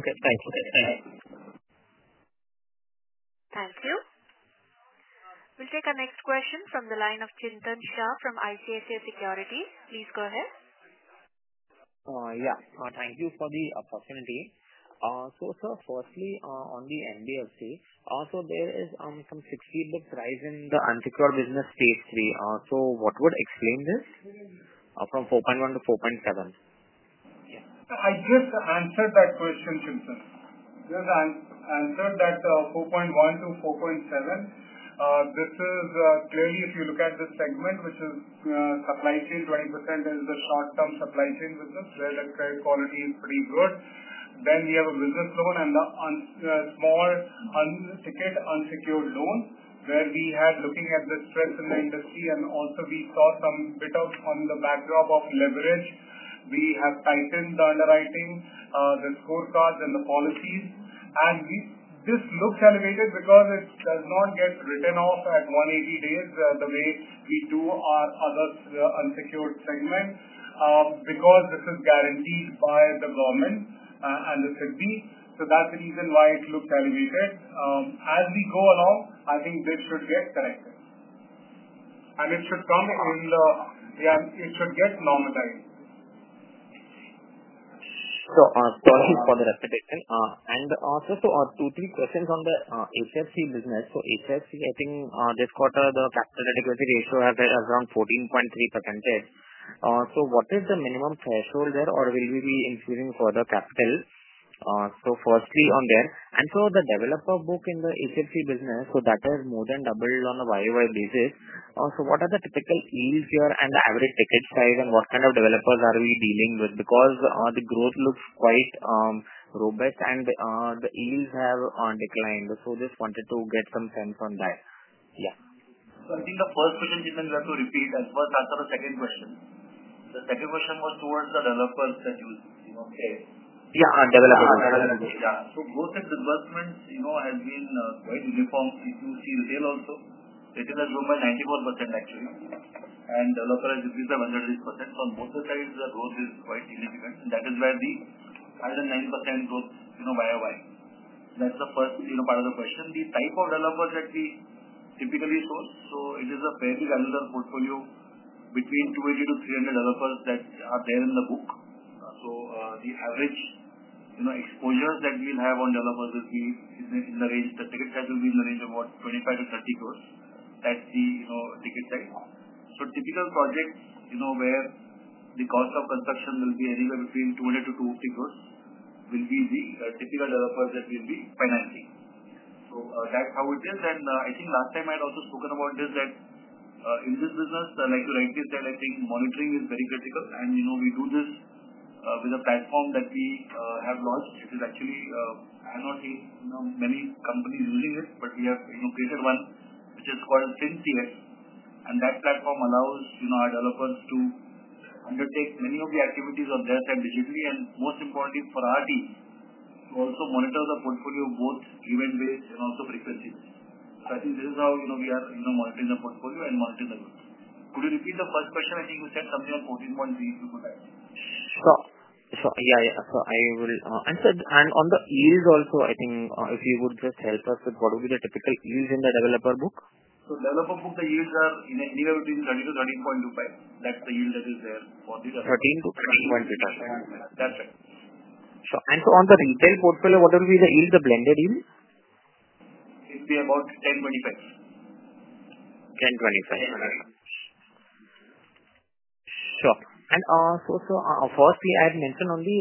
Okay. Thanks. Okay. Thanks. Thank you. We'll take our next question from the line of Chintan Shah from ICICI Securities. Please go ahead. Yeah. Thank you for the opportunity. Sir, firstly, on the NBFC, there is some fixed fee books rising in the unsecured business stage three. What would explain this from 4.1% to 4.7%? I just answered that question, Chintan. Just answered that 4.1% to 4.7%. This is clearly, if you look at the segment, which is supply chain, 20% is the short-term supply chain business where the credit quality is pretty good. Then we have a business loan and the small ticket unsecured loans where we had, looking at the stress in the industry, and also we saw some bit of, on the backdrop of leverage. We have tightened the underwriting, the scorecards, and the policies. This looks elevated because it does not get written off at 180 days the way we do our other unsecured segment because this is guaranteed by the government and the [Synthetics]. That's the reason why it looks elevated. As we go along, I think this should get corrected. It should come in, yeah, it should get normalized. Sorry for the repetition. Also, two, three questions on the HFC business. HFC, I think this quarter, the capital adequacy ratio has been around 14.3%. What is the minimum threshold there, or will we be increasing further capital? Firstly on there. The developer book in the HFC business, that has more than doubled on a YOY basis. What are the typical yields here and the average ticket size, and what kind of developers are we dealing with? Because the growth looks quite robust and the yields have declined. Just wanted to get some sense on that. Yeah. I think the first question, Chintan, you have to repeat as well. That's the second question. The second question was towards the developers that you say. Yeah. Developers. Yeah. Growth in disbursements has been quite uniform. If you see retail also, retail has grown by 94%, actually. And developers have increased by 130%. On both the sides, the growth is quite significant. That is where the 9% year-over-year. That's the first part of the question. The type of developers that we typically source, it is a fairly granular portfolio between 280-300 developers that are there in the book. The average exposures that we'll have on developers will be in the range, the ticket size will be in the range of about 25 crore-30 crore. That's the ticket size. Typical projects where the cost of construction will be anywhere between 200 crore-250 crore will be the typical developers that we'll be financing. That is how it is. I think last time I had also spoken about this, that in this business, like you rightly said, I think monitoring is very critical. We do this with a platform that we have launched. Actually, I have not seen many companies using it, but we have created one, which is called Synthetics. That platform allows our developers to undertake many of the activities on their side digitally, and most importantly, for our team to also monitor the portfolio both event-based and also frequency-based. I think this is how we are monitoring the portfolio and monitoring the growth. Could you repeat the first question? I think you said something on 14.3, if you could. Sure. Yeah. I will. On the yields also, I think if you would just help us with what would be the typical yields in the developer book? Developer book, the yields are anywhere between 13%-13.25%. That is the yield that is there for the developers. 13%-13.25%? That is right. Sure. On the retail portfolio, what will be the blended yield? It will be about 10.25%. 10.25%. Sure. Firstly, I had mentioned on the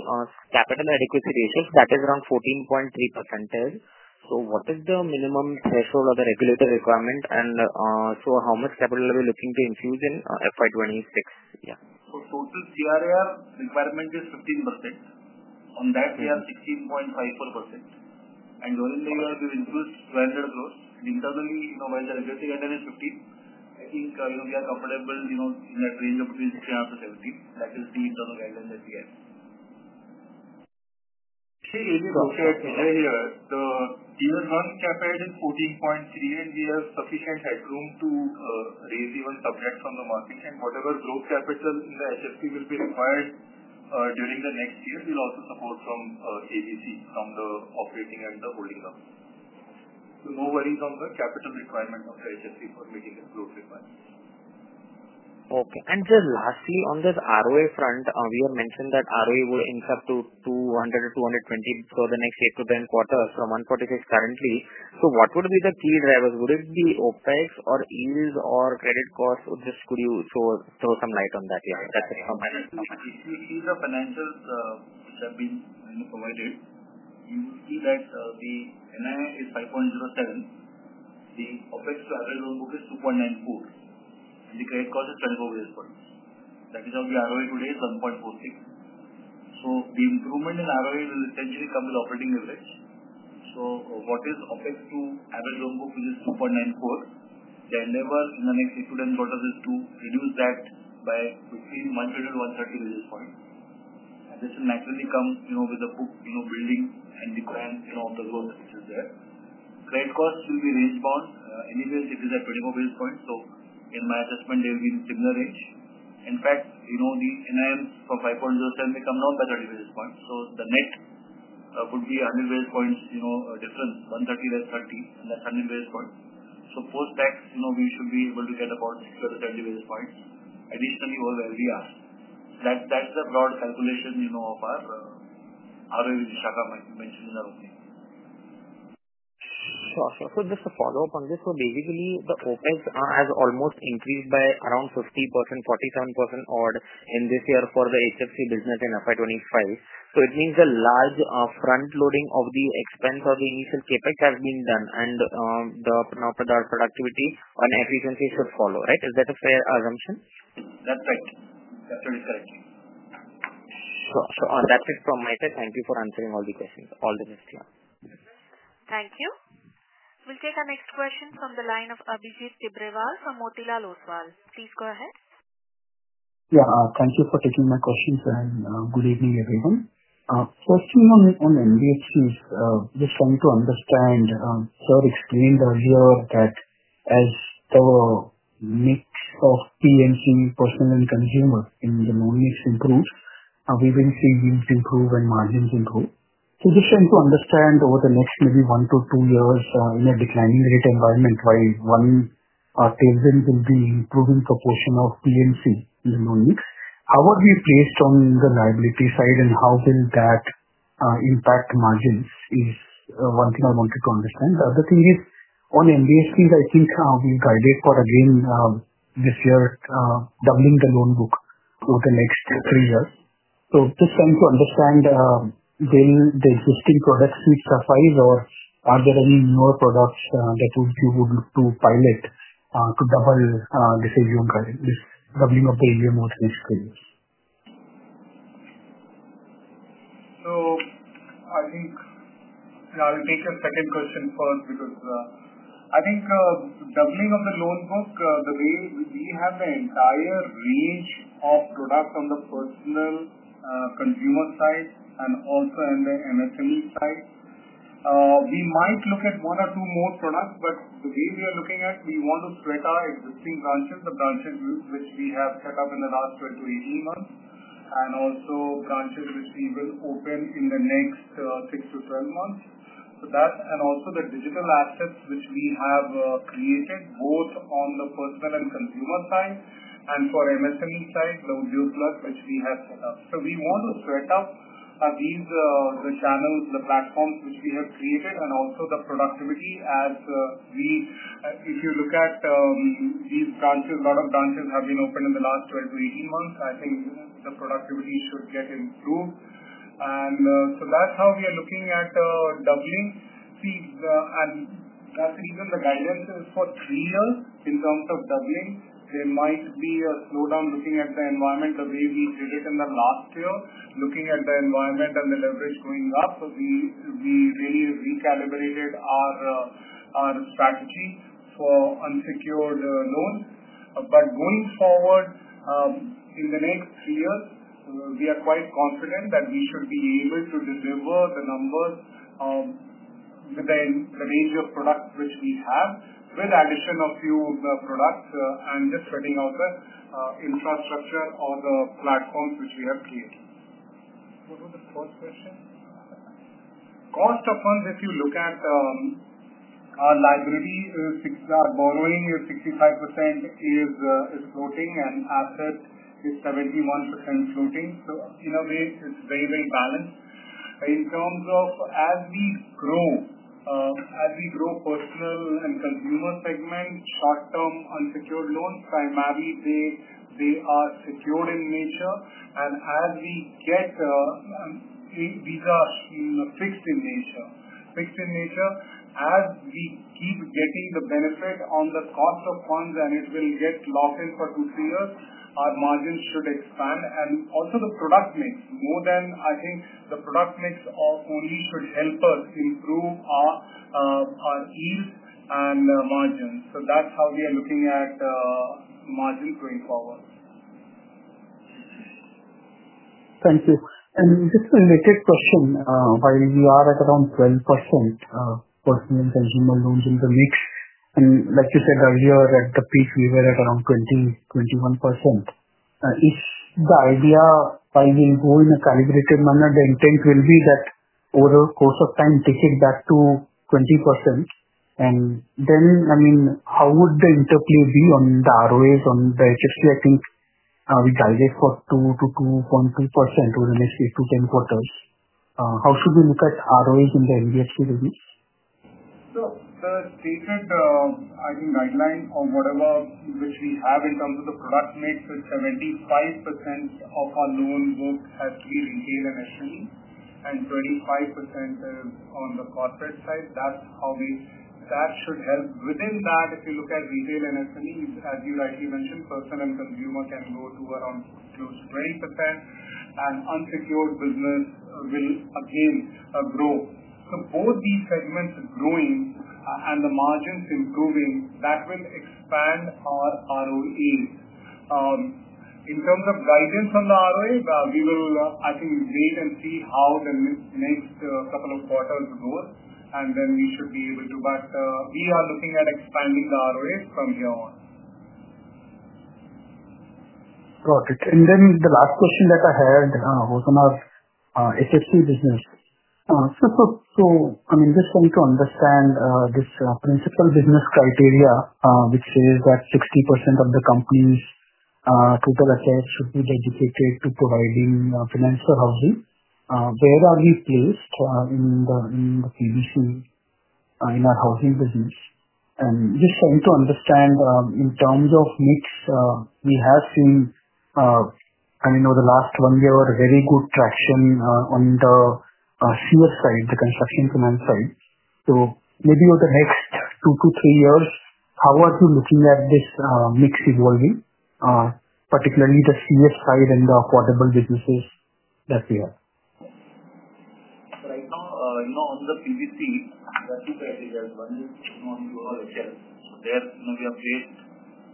capital adequacy ratio, that is around 14.3%. What is the minimum threshold or the regulatory requirement? How much capital are we looking to infuse in FY 2026? Yeah. Total CRAR requirement is 15%. On that, we are at 16.54%. During the year, we will increase INR 200 crore. Internally, by the regulatory guideline, it is 15%. I think we are comfortable in that range of between 16% and up to 17%. That is the internal guideline that we have. Actually, let me rotate it here. The year-round cap ahead is 14.3, and we have sufficient headroom to raise even subjects from the market. Whatever growth capital in the HFC will be required during the next year, we will also support from ABC, from the operating and the holding companies. No worries on the capital requirement of the HFC for meeting the growth requirements. Okay. Just lastly, on this ROA front, we had mentioned that ROA would increase up to 200-220 for the next 8-10 quarters from 146 currently. What would be the key drivers? Would it be OpEx or yields or credit costs? Could you throw some light on that? Yeah. That is it from my side. If you see the financials which have been provided, you will see that the NI is 5.07. The OpEx to average loan book is 2.94. The credit cost is 24 basis points. That is how the ROA today is 1.46. The improvement in ROA will essentially come with operating leverage. What is OpEx to average loan book, which is 2.94? The endeavor in the next 8-10 quarters is to reduce that by between 120-130 basis points. This will naturally come with the book building and declining of the growth which is there. Credit costs will be range-bound. Anyways, it is at 24 basis points. In my assessment, they will be in similar range. In fact, the NIMs from 5.07 may come down by 30 basis points. The net would be 100 basis points difference, 130 less 30, and that's 100 basis points. Post-tax, we should be able to get about 60-70 basis points additionally over where we are. That is the broad calculation of our ROA which Vishakha mentioned in her opening. Sure. Sure. Just a follow-up on this. Basically, the OpEx has almost increased by around 50%, 47% odd in this year for the HFC business in FY 2025. It means the large front-loading of the expense or the initial CapEx has been done, and now productivity and efficiency should follow. Right? Is that a fair assumption? That is right. That is very correct. Sure. Sure. That is it from my side. Thank you for answering all the questions. All the best. Yeah. Thank you. We will take our next question from the line of Abhijit Tibrewal from Motilal Oswal. Please go ahead. Yeah. Thank you for taking my questions, and good evening, everyone. First thing on NBFCs, just trying to understand, sir explained earlier that as the mix of PNC, personal, and consumer in the loan mix improves, we will see yields improve and margins improve. Just trying to understand over the next maybe one to two years in a declining rate environment, why one tailwind will be improving proportion of PNC in the loan mix. How are we placed on the liability side, and how will that impact margins is one thing I wanted to understand. The other thing is on NBFCs, I think we've guided for, again, this year, doubling the loan book over the next three years. Just trying to understand, will the existing product suite suffice, or are there any newer products that you would look to pilot to double this doubling of the [loans] next three years? I think, yeah, I'll take your second question first because I think doubling of the loan book, the way we have the entire range of products on the personal consumer side and also in the MSME side, we might look at one or two more products, but the way we are looking at, we want to spread our existing branches, the branches which we have set up in the last 12 to 18 months, and also branches which we will open in the next 6 to 12 months. That and also the digital assets which we have created both on the personal and consumer side and for MSME side, the Udyog Plus, which we have set up. We want to spread out the channels, the platforms which we have created, and also the productivity as we, if you look at these branches, a lot of branches have been opened in the last 12 to 18 months. I think the productivity should get improved. That is how we are looking at doubling. That is even the guidance is for three years in terms of doubling. There might be a slowdown looking at the environment the way we did it in the last year, looking at the environment and the leverage going up. We really recalibrated our strategy for unsecured loans. Going forward, in the next three years, we are quite confident that we should be able to deliver the numbers within the range of products which we have, with addition of a few products and just spreading out the infrastructure or the platforms which we have created. What was the first question? Cost of funds, if you look at our liability borrowing, 65% is floating and asset is 71% floating. In a way, it is very, very balanced. In terms of as we grow, as we grow personal and consumer segment, short-term unsecured loans, primarily they are secured in nature. As we get these, they are fixed in nature. Fixed in nature, as we keep getting the benefit on the cost of funds and it will get locked in for two, three years, our margins should expand. Also, the product mix, more than I think the product mix only should help us improve our yields and margins. That is how we are looking at margins going forward. Thank you. Just a next question, while we are at around 12% personal consumer loans in the mix, and like you said earlier, at the peak, we were at around 20%-21%. Is the idea, while we go in a calibrated manner, the intent will be that over a course of time, take it back to 20%? I mean, how would the interplay be on the ROAs on the HFC? I think we guided for 2%-2.2% over the next 8-10 quarters. How should we look at ROAs in the NBFC release? The statement, I think, guideline or whatever which we have in terms of the product mix, is 75% of our loan book has to be retail and SME, and 25% is on the corporate side. That should help. Within that, if you look at retail and SMEs, as you rightly mentioned, personal and consumer can go to around close to 20%, and unsecured business will again grow. Both these segments growing and the margins improving, that will expand our ROAs. In terms of guidance on the ROA, we will, I think, wait and see how the next couple of quarters goes, and then we should be able to. We are looking at expanding the ROAs from here on. Got it. The last question that I had was on our HFC business. I mean, just trying to understand this principal business criteria which says that 60% of the company's total assets should be dedicated to providing financial housing. Where are we placed in the PBC, in our housing business? Just trying to understand in terms of mix, we have seen, I mean, over the last one year, very good traction on the CF side, the construction finance side. Maybe over the next two to three years, how are you looking at this mix evolving, particularly the CF side and the affordable businesses that we have? Right now, on the PBC, there are two criteria. One is on URL itself. There, we are placed.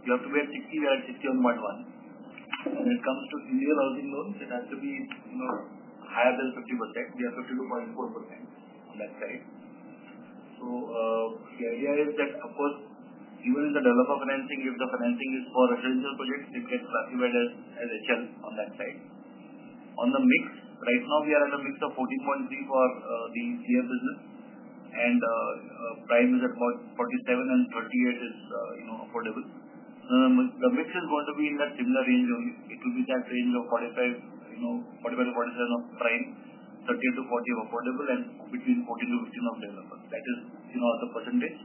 We have to be at 60%, we are at 61.1%. When it comes to Indian housing loans, it has to be higher than 50%. We are 52.4% on that side. The idea is that, of course, even in the developer financing, if the financing is for residential projects, it gets classified as HL on that side. On the mix, right now, we are at a mix of 14.3% for the CF business, and prime is at about 47%, and 38% is affordable. The mix is going to be in that similar range only. It will be that range of 45%-47% of prime, 30%-40% of affordable, and between 14%-15% of developers. That is the percentage.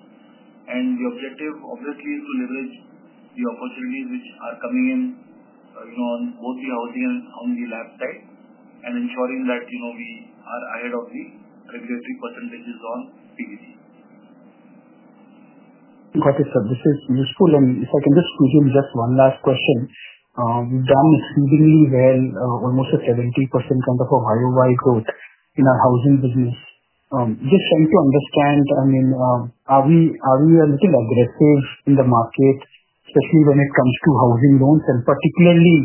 The objective, obviously, is to leverage the opportunities which are coming in on both the housing and on the lab side, and ensuring that we are ahead of the regulatory percentages on PBC. Got it, sir. This is useful. If I can just quickly, just one last question. We've done exceedingly well, almost a 70% kind of a YOY growth in our housing business. Just trying to understand, I mean, are we a little aggressive in the market, especially when it comes to housing loans, and particularly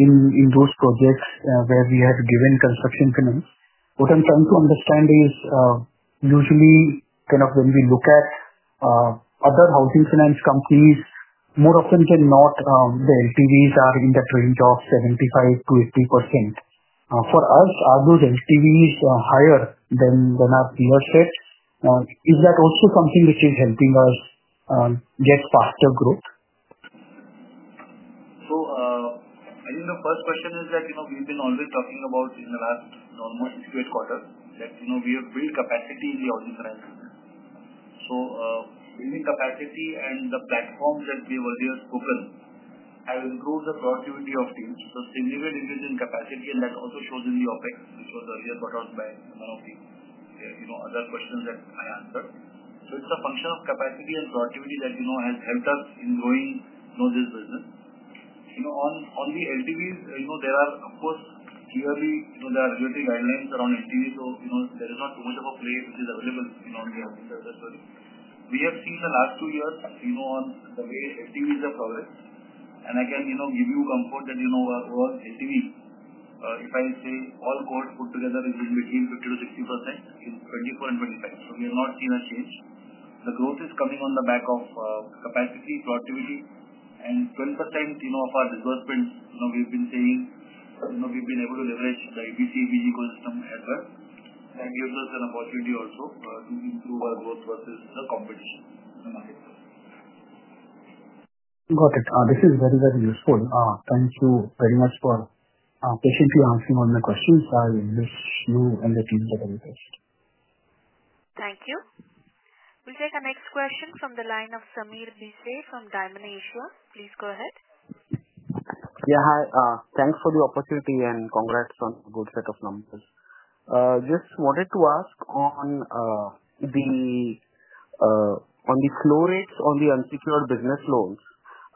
in those projects where we have given construction finance? What I'm trying to understand is usually kind of when we look at other housing finance companies, more often than not, the LTVs are in that range of 75%-80%. For us, are those LTVs higher than our peers' set? Is that also something which is helping us get faster growth? I think the first question is that we've been always talking about in the last almost 6-8 quarters that we have built capacity in the housing finance business. Building capacity and the platforms that we have earlier spoken have improved the productivity of teams. Significant increase in capacity, and that also shows in the OpEx, which was earlier brought out by one of the other questions that I answered. It is a function of capacity and productivity that has helped us in growing this business. On the LTVs, there are, of course, clearly there are regulatory guidelines around LTV, so there is not too much of a play which is available in the housing sector. We have seen the last two years on the way LTVs have progressed. I can give you comfort that our LTV, if I say all cohorts put together, is in between 50%-60% in 2024 and 2025. We have not seen a change. The growth is coming on the back of capacity, productivity, and 12% of our disbursement, we have been seeing we have been able to leverage the EBC, EBG ecosystem as well. That gives us an opportunity also to improve our growth versus the competition in the marketplace. Got it. This is very, very useful. Thank you very much for patiently answering all my questions. I wish you and the team the very best. Thank you. We'll take our next question from the line of [Samir Bisit from Diamond Asia]. Please go ahead. Yeah. Hi. Thanks for the opportunity and congrats on a good set of numbers. Just wanted to ask on the flow rates on the unsecured business loans.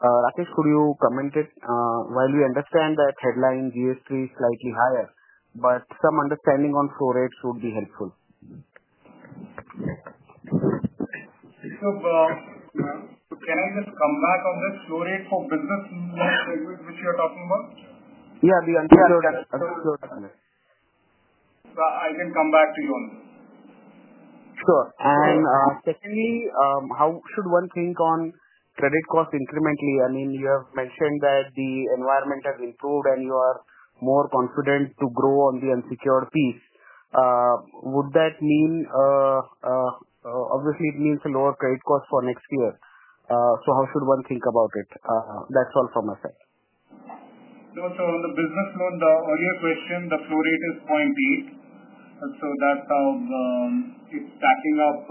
Rakesh, could you comment it? We understand that headline GS3 is slightly higher, but some understanding on flow rates would be helpful. Can I just come back on the flow rate for business segment which you are talking about? Yeah. The unsecured. I can come back to you on this. Sure. And secondly, how should one think on credit cost incrementally? I mean, you have mentioned that the environment has improved and you are more confident to grow on the unsecured piece. Would that mean, obviously, it means a lower credit cost for next year. How should one think about it? That's all from my side. On the business loan, the earlier question, the flow rate is 0.8. That's how it's stacking up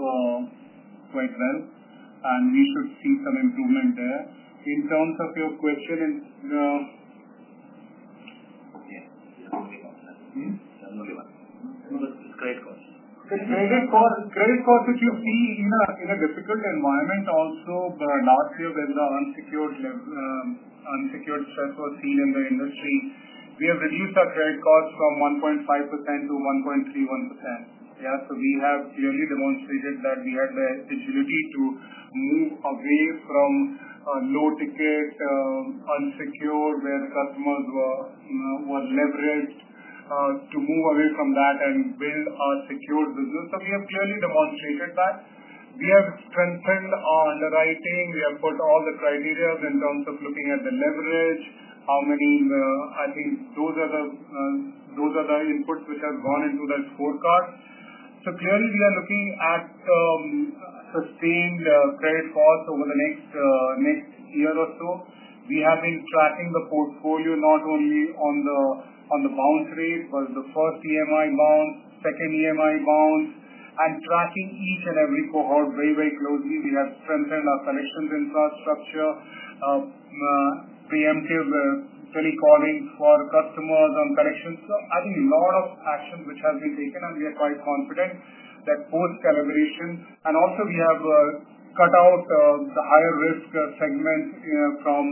quite well. We should see some improvement there. In terms of your question, okay. The only one, the only one, it's credit cost. The credit cost, which you see in a difficult environment also, but last year when the unsecured stress was seen in the industry, we have reduced our credit cost from 1.5% to 1.31%. Yeah. We have clearly demonstrated that we had the agility to move away from low ticket, unsecured, where the customers were leveraged, to move away from that and build our secured business. We have clearly demonstrated that we have strengthened underwriting. We have put all the criteria in terms of looking at the leverage, how many, I think those are the inputs which have gone into that scorecard. Clearly, we are looking at sustained credit cost over the next year or so. We have been tracking the portfolio not only on the bounce rate, but the first EMI bounce, second EMI bounce, and tracking each and every cohort very, very closely. We have strengthened our collections infrastructure, preemptive telecalling for customers on collections. I think a lot of actions which have been taken, and we are quite confident that post-calibration. Also, we have cut out the higher risk segment from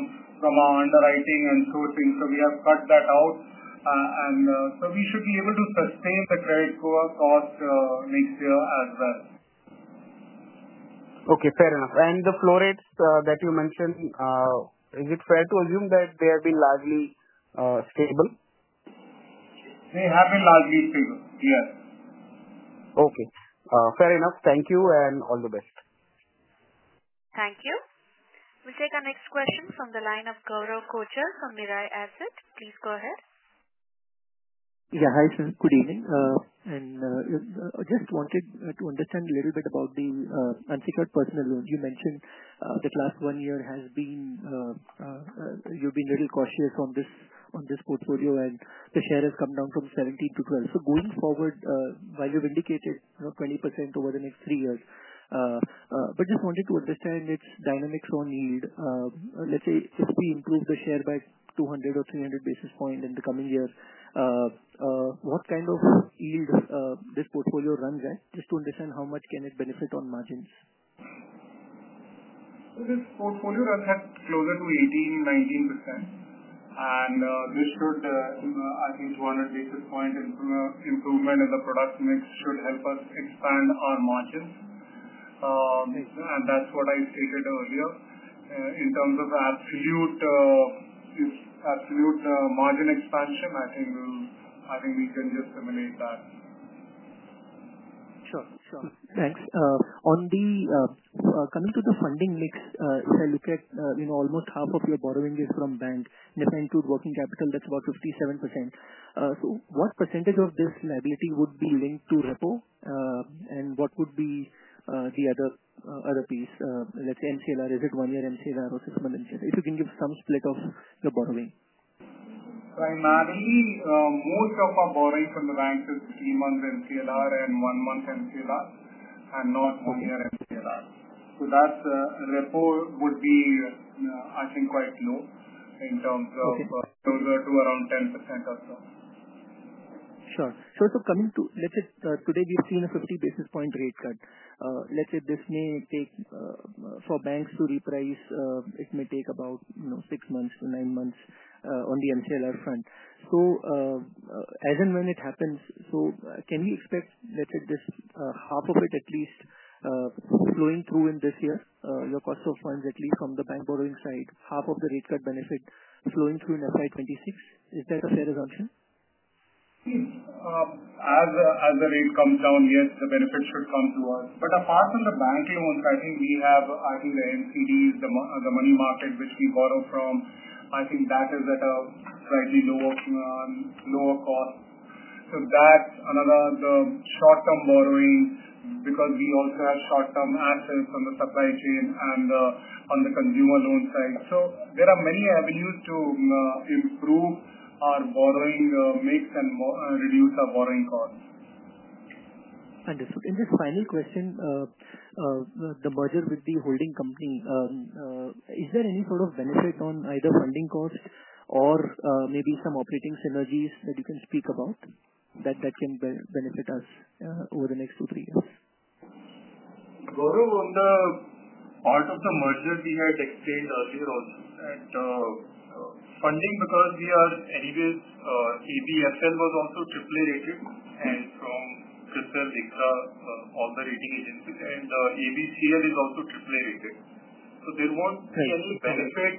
our underwriting and sourcing. We have cut that out, so we should be able to sustain the credit cost next year as well. Okay. Fair enough. The flow rates that you mentioned, is it fair to assume that they have been largely stable? They have been largely stable. Yes. Okay. Fair enough. Thank you and all the best. Thank you. We'll take our next question from the line of Gaurav Kochar from Mirae Asset. Please go ahead. Yeah. Hi, sir. Good evening. Just wanted to understand a little bit about the unsecured personal loans. You mentioned that last one year you have been a little cautious on this portfolio, and the share has come down from 17% to 12%. Going forward, while you've indicated 20% over the next three years, I just wanted to understand its dynamics on yield. Let's say if we improve the share by 200 or 300 basis points in the coming year, what kind of yield does this portfolio run at? Just to understand how much can it benefit on margins. This portfolio runs at closer to 18%-19%. I think a 200 basis point improvement in the product mix should help us expand our margins. That's what I stated earlier. In terms of absolute margin expansion, I think we can just simulate that. Sure. Thanks. Coming to the funding mix, if I look at almost half of your borrowing is from banks, [if we look at working capital], that's about 57%. What percentage of this liability would be linked to Repo? What would be the other piece? Let's say MCLR. Is it one-year MCLR or six-month MCLR? If you can give some split of your borrowing. Primarily, most of our borrowing from the banks is three-month MCLR and one-month MCLR and not one-year MCLR. So that Repo would be, I think, quite low in terms of closer to around 10% or so. Sure. Coming to let's say today we've seen a 50 basis point rate cut. Let's say this may take for banks to reprice, it may take about six months to nine months on the MCLR front. As and when it happens, can we expect let's say this half of it at least flowing through in this year, your cost of funds at least from the bank borrowing side, half of the rate cut benefit flowing through in FY 2026? Is that a fair assumption? As the rate comes down, yes, the benefit should come to us. Apart from the bank loans, I think we have the MCDs, the money market which we borrow from, I think that is at a slightly lower cost. That is another short-term borrowing because we also have short-term assets on the supply chain and on the consumer loan side. There are many avenues to improve our borrowing mix and reduce our borrowing costs. Understood. Just final question, the merger with the holding company, is there any sort of benefit on either funding cost or maybe some operating synergies that you can speak about that can benefit us over the next two to three years? Gaurav, on the part of the merger we had explained earlier also that funding because we are anyways ABFL was also AAA rated and from CRISIL, ICRA, all the rating agencies, and ABCL is also AAA rated. There will not be any benefit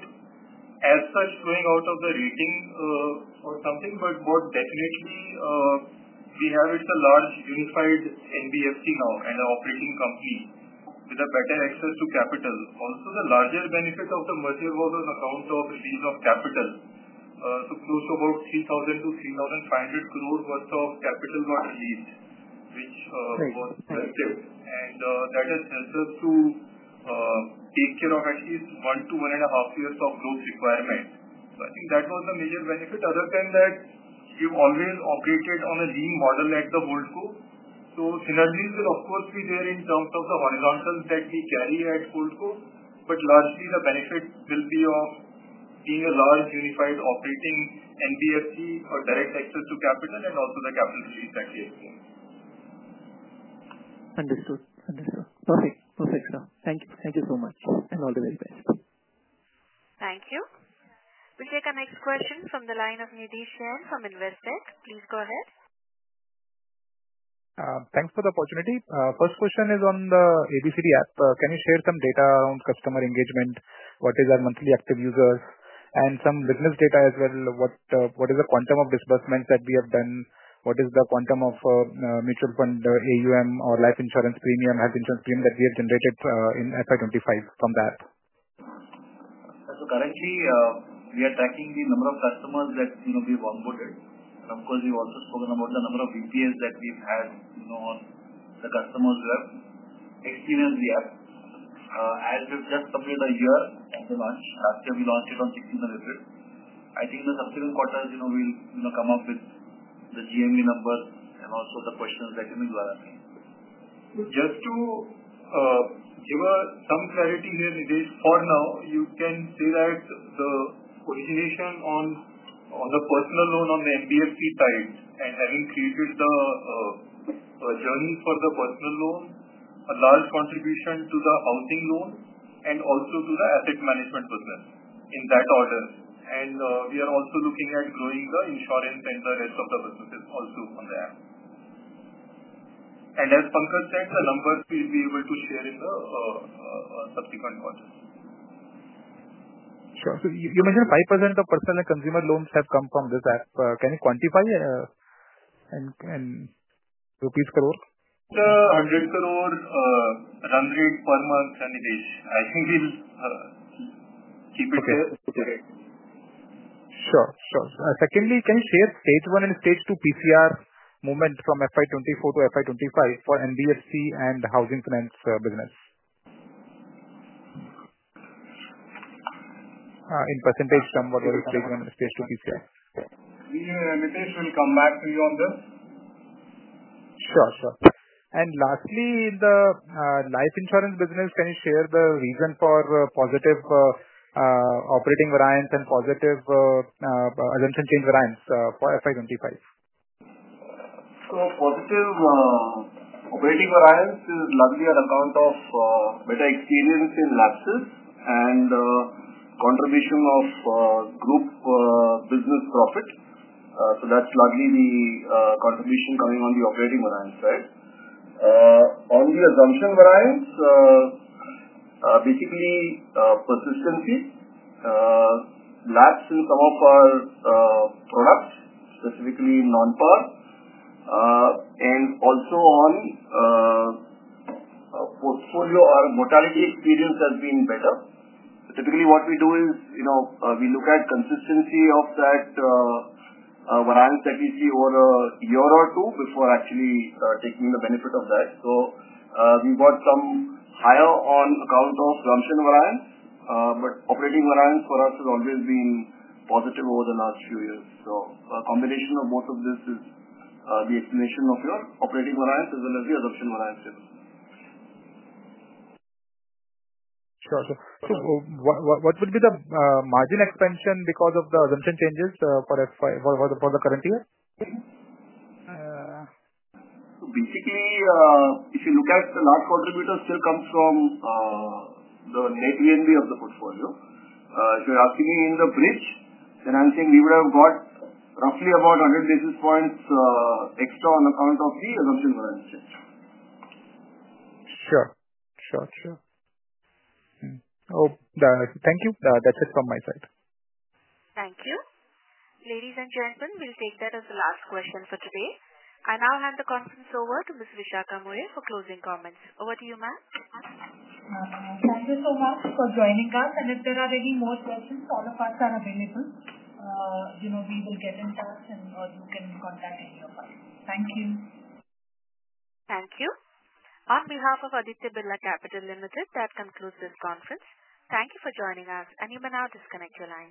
as such going out of the rating or something, but definitely we have, it is a large unified NBFC now and an operating company with better access to capital. Also, the larger benefit of the merger was on account of release of capital. Close to about 3,000 crore-3,500 crore worth of capital got released, which was collected. That has helped us to take care of at least one to one and a half years of growth requirement. I think that was the major benefit. Other than that, we have always operated on a lean model at the Goldco. Synergies will of course be there in terms of the horizontals that we carry at Goldco, but largely the benefit will be of being a large unified operating NBFC, direct access to capital, and also the capital release that we explained. Understood. Perfect, sir. Thank you. Thank you so much. All the very best. Thank you. We'll take our next question from the line of Nidhesh Jain and from Investec. Please go ahead. Thanks for the opportunity. First question is on the ABCD app. Can you share some data around customer engagement? What is our monthly active users? And some business data as well. What is the quantum of disbursements that we have done? What is the quantum of mutual fund AUM or life insurance premium, health insurance premium that we have generated in FY 2025 from that? Currently, we are tracking the number of customers that we've onboarded. Of course, we've also spoken about the number of VPAs that we've had on the customers' web experience, the app. As we've just completed a year at the launch. Last year, we launched it on 1,600. I think in the subsequent quarters, we'll come up with the GME numbers and also the questions that you may be asking. Just to give some clarity here, Nidish, for now, you can say that the origination on the personal loan on the NBFC side and having created the journey for the personal loan, a large contribution to the housing loan and also to the asset management business in that order. We are also looking at growing the insurance and the rest of the businesses also on the app. As Pankaj said, the numbers we'll be able to share in the subsequent quarters. Sure. You mentioned 5% of personal and consumer loans have come from this app. Can you quantify in INR crore? At INR 100 crore run rate per month, Nidhesh. I think we'll keep it. Okay. Okay. Sure. Sure. Secondly, can you share stage one and stage two PCR movement from FY 2024 to FY 2025 for NBFC and housing finance business? In percentage, from what was stage one and stage two PCR. Nidhesh will come back to you on this. Sure. Sure. Lastly, in the life insurance business, can you share the reason for positive operating variance and positive assumption change variance for FY 2025? Positive operating variance is largely on account of better experience in lapses and contribution of group business profit. That is largely the contribution coming on the operating variance side. On the assumption variance, basically persistency, lapses in some of our products, specifically non-PAR, and also on portfolio or mortality experience has been better. Typically, what we do is we look at consistency of that variance that we see over a year or two before actually taking the benefit of that. We got some higher on account of assumption variance, but operating variance for us has always been positive over the last few years. A combination of both of this is the explanation of your operating variance as well as the assumption variance. Sure. Sure. What would be the margin expansion because of the assumption changes for the current year? Basically, if you look at the large contributor, still comes from the net VNB of the portfolio. If you're asking me in the bridge, then I'm saying we would have got roughly about 100 basis points extra on account of the assumption variance change. Sure. Sure. Sure. Thank you. That's it from my side. Thank you. Ladies and gentlemen, we'll take that as the last question for today. I now hand the conference over to Ms. Vishakha Mulye for closing comments. Over to you, ma'am. Thank you so much for joining us. If there are any more questions, all of us are available. We will get in touch, and you can contact any of us. Thank you. Thank you. On behalf of Aditya Birla Capital Limited, that concludes this conference. Thank you for joining us, and you may now disconnect your line.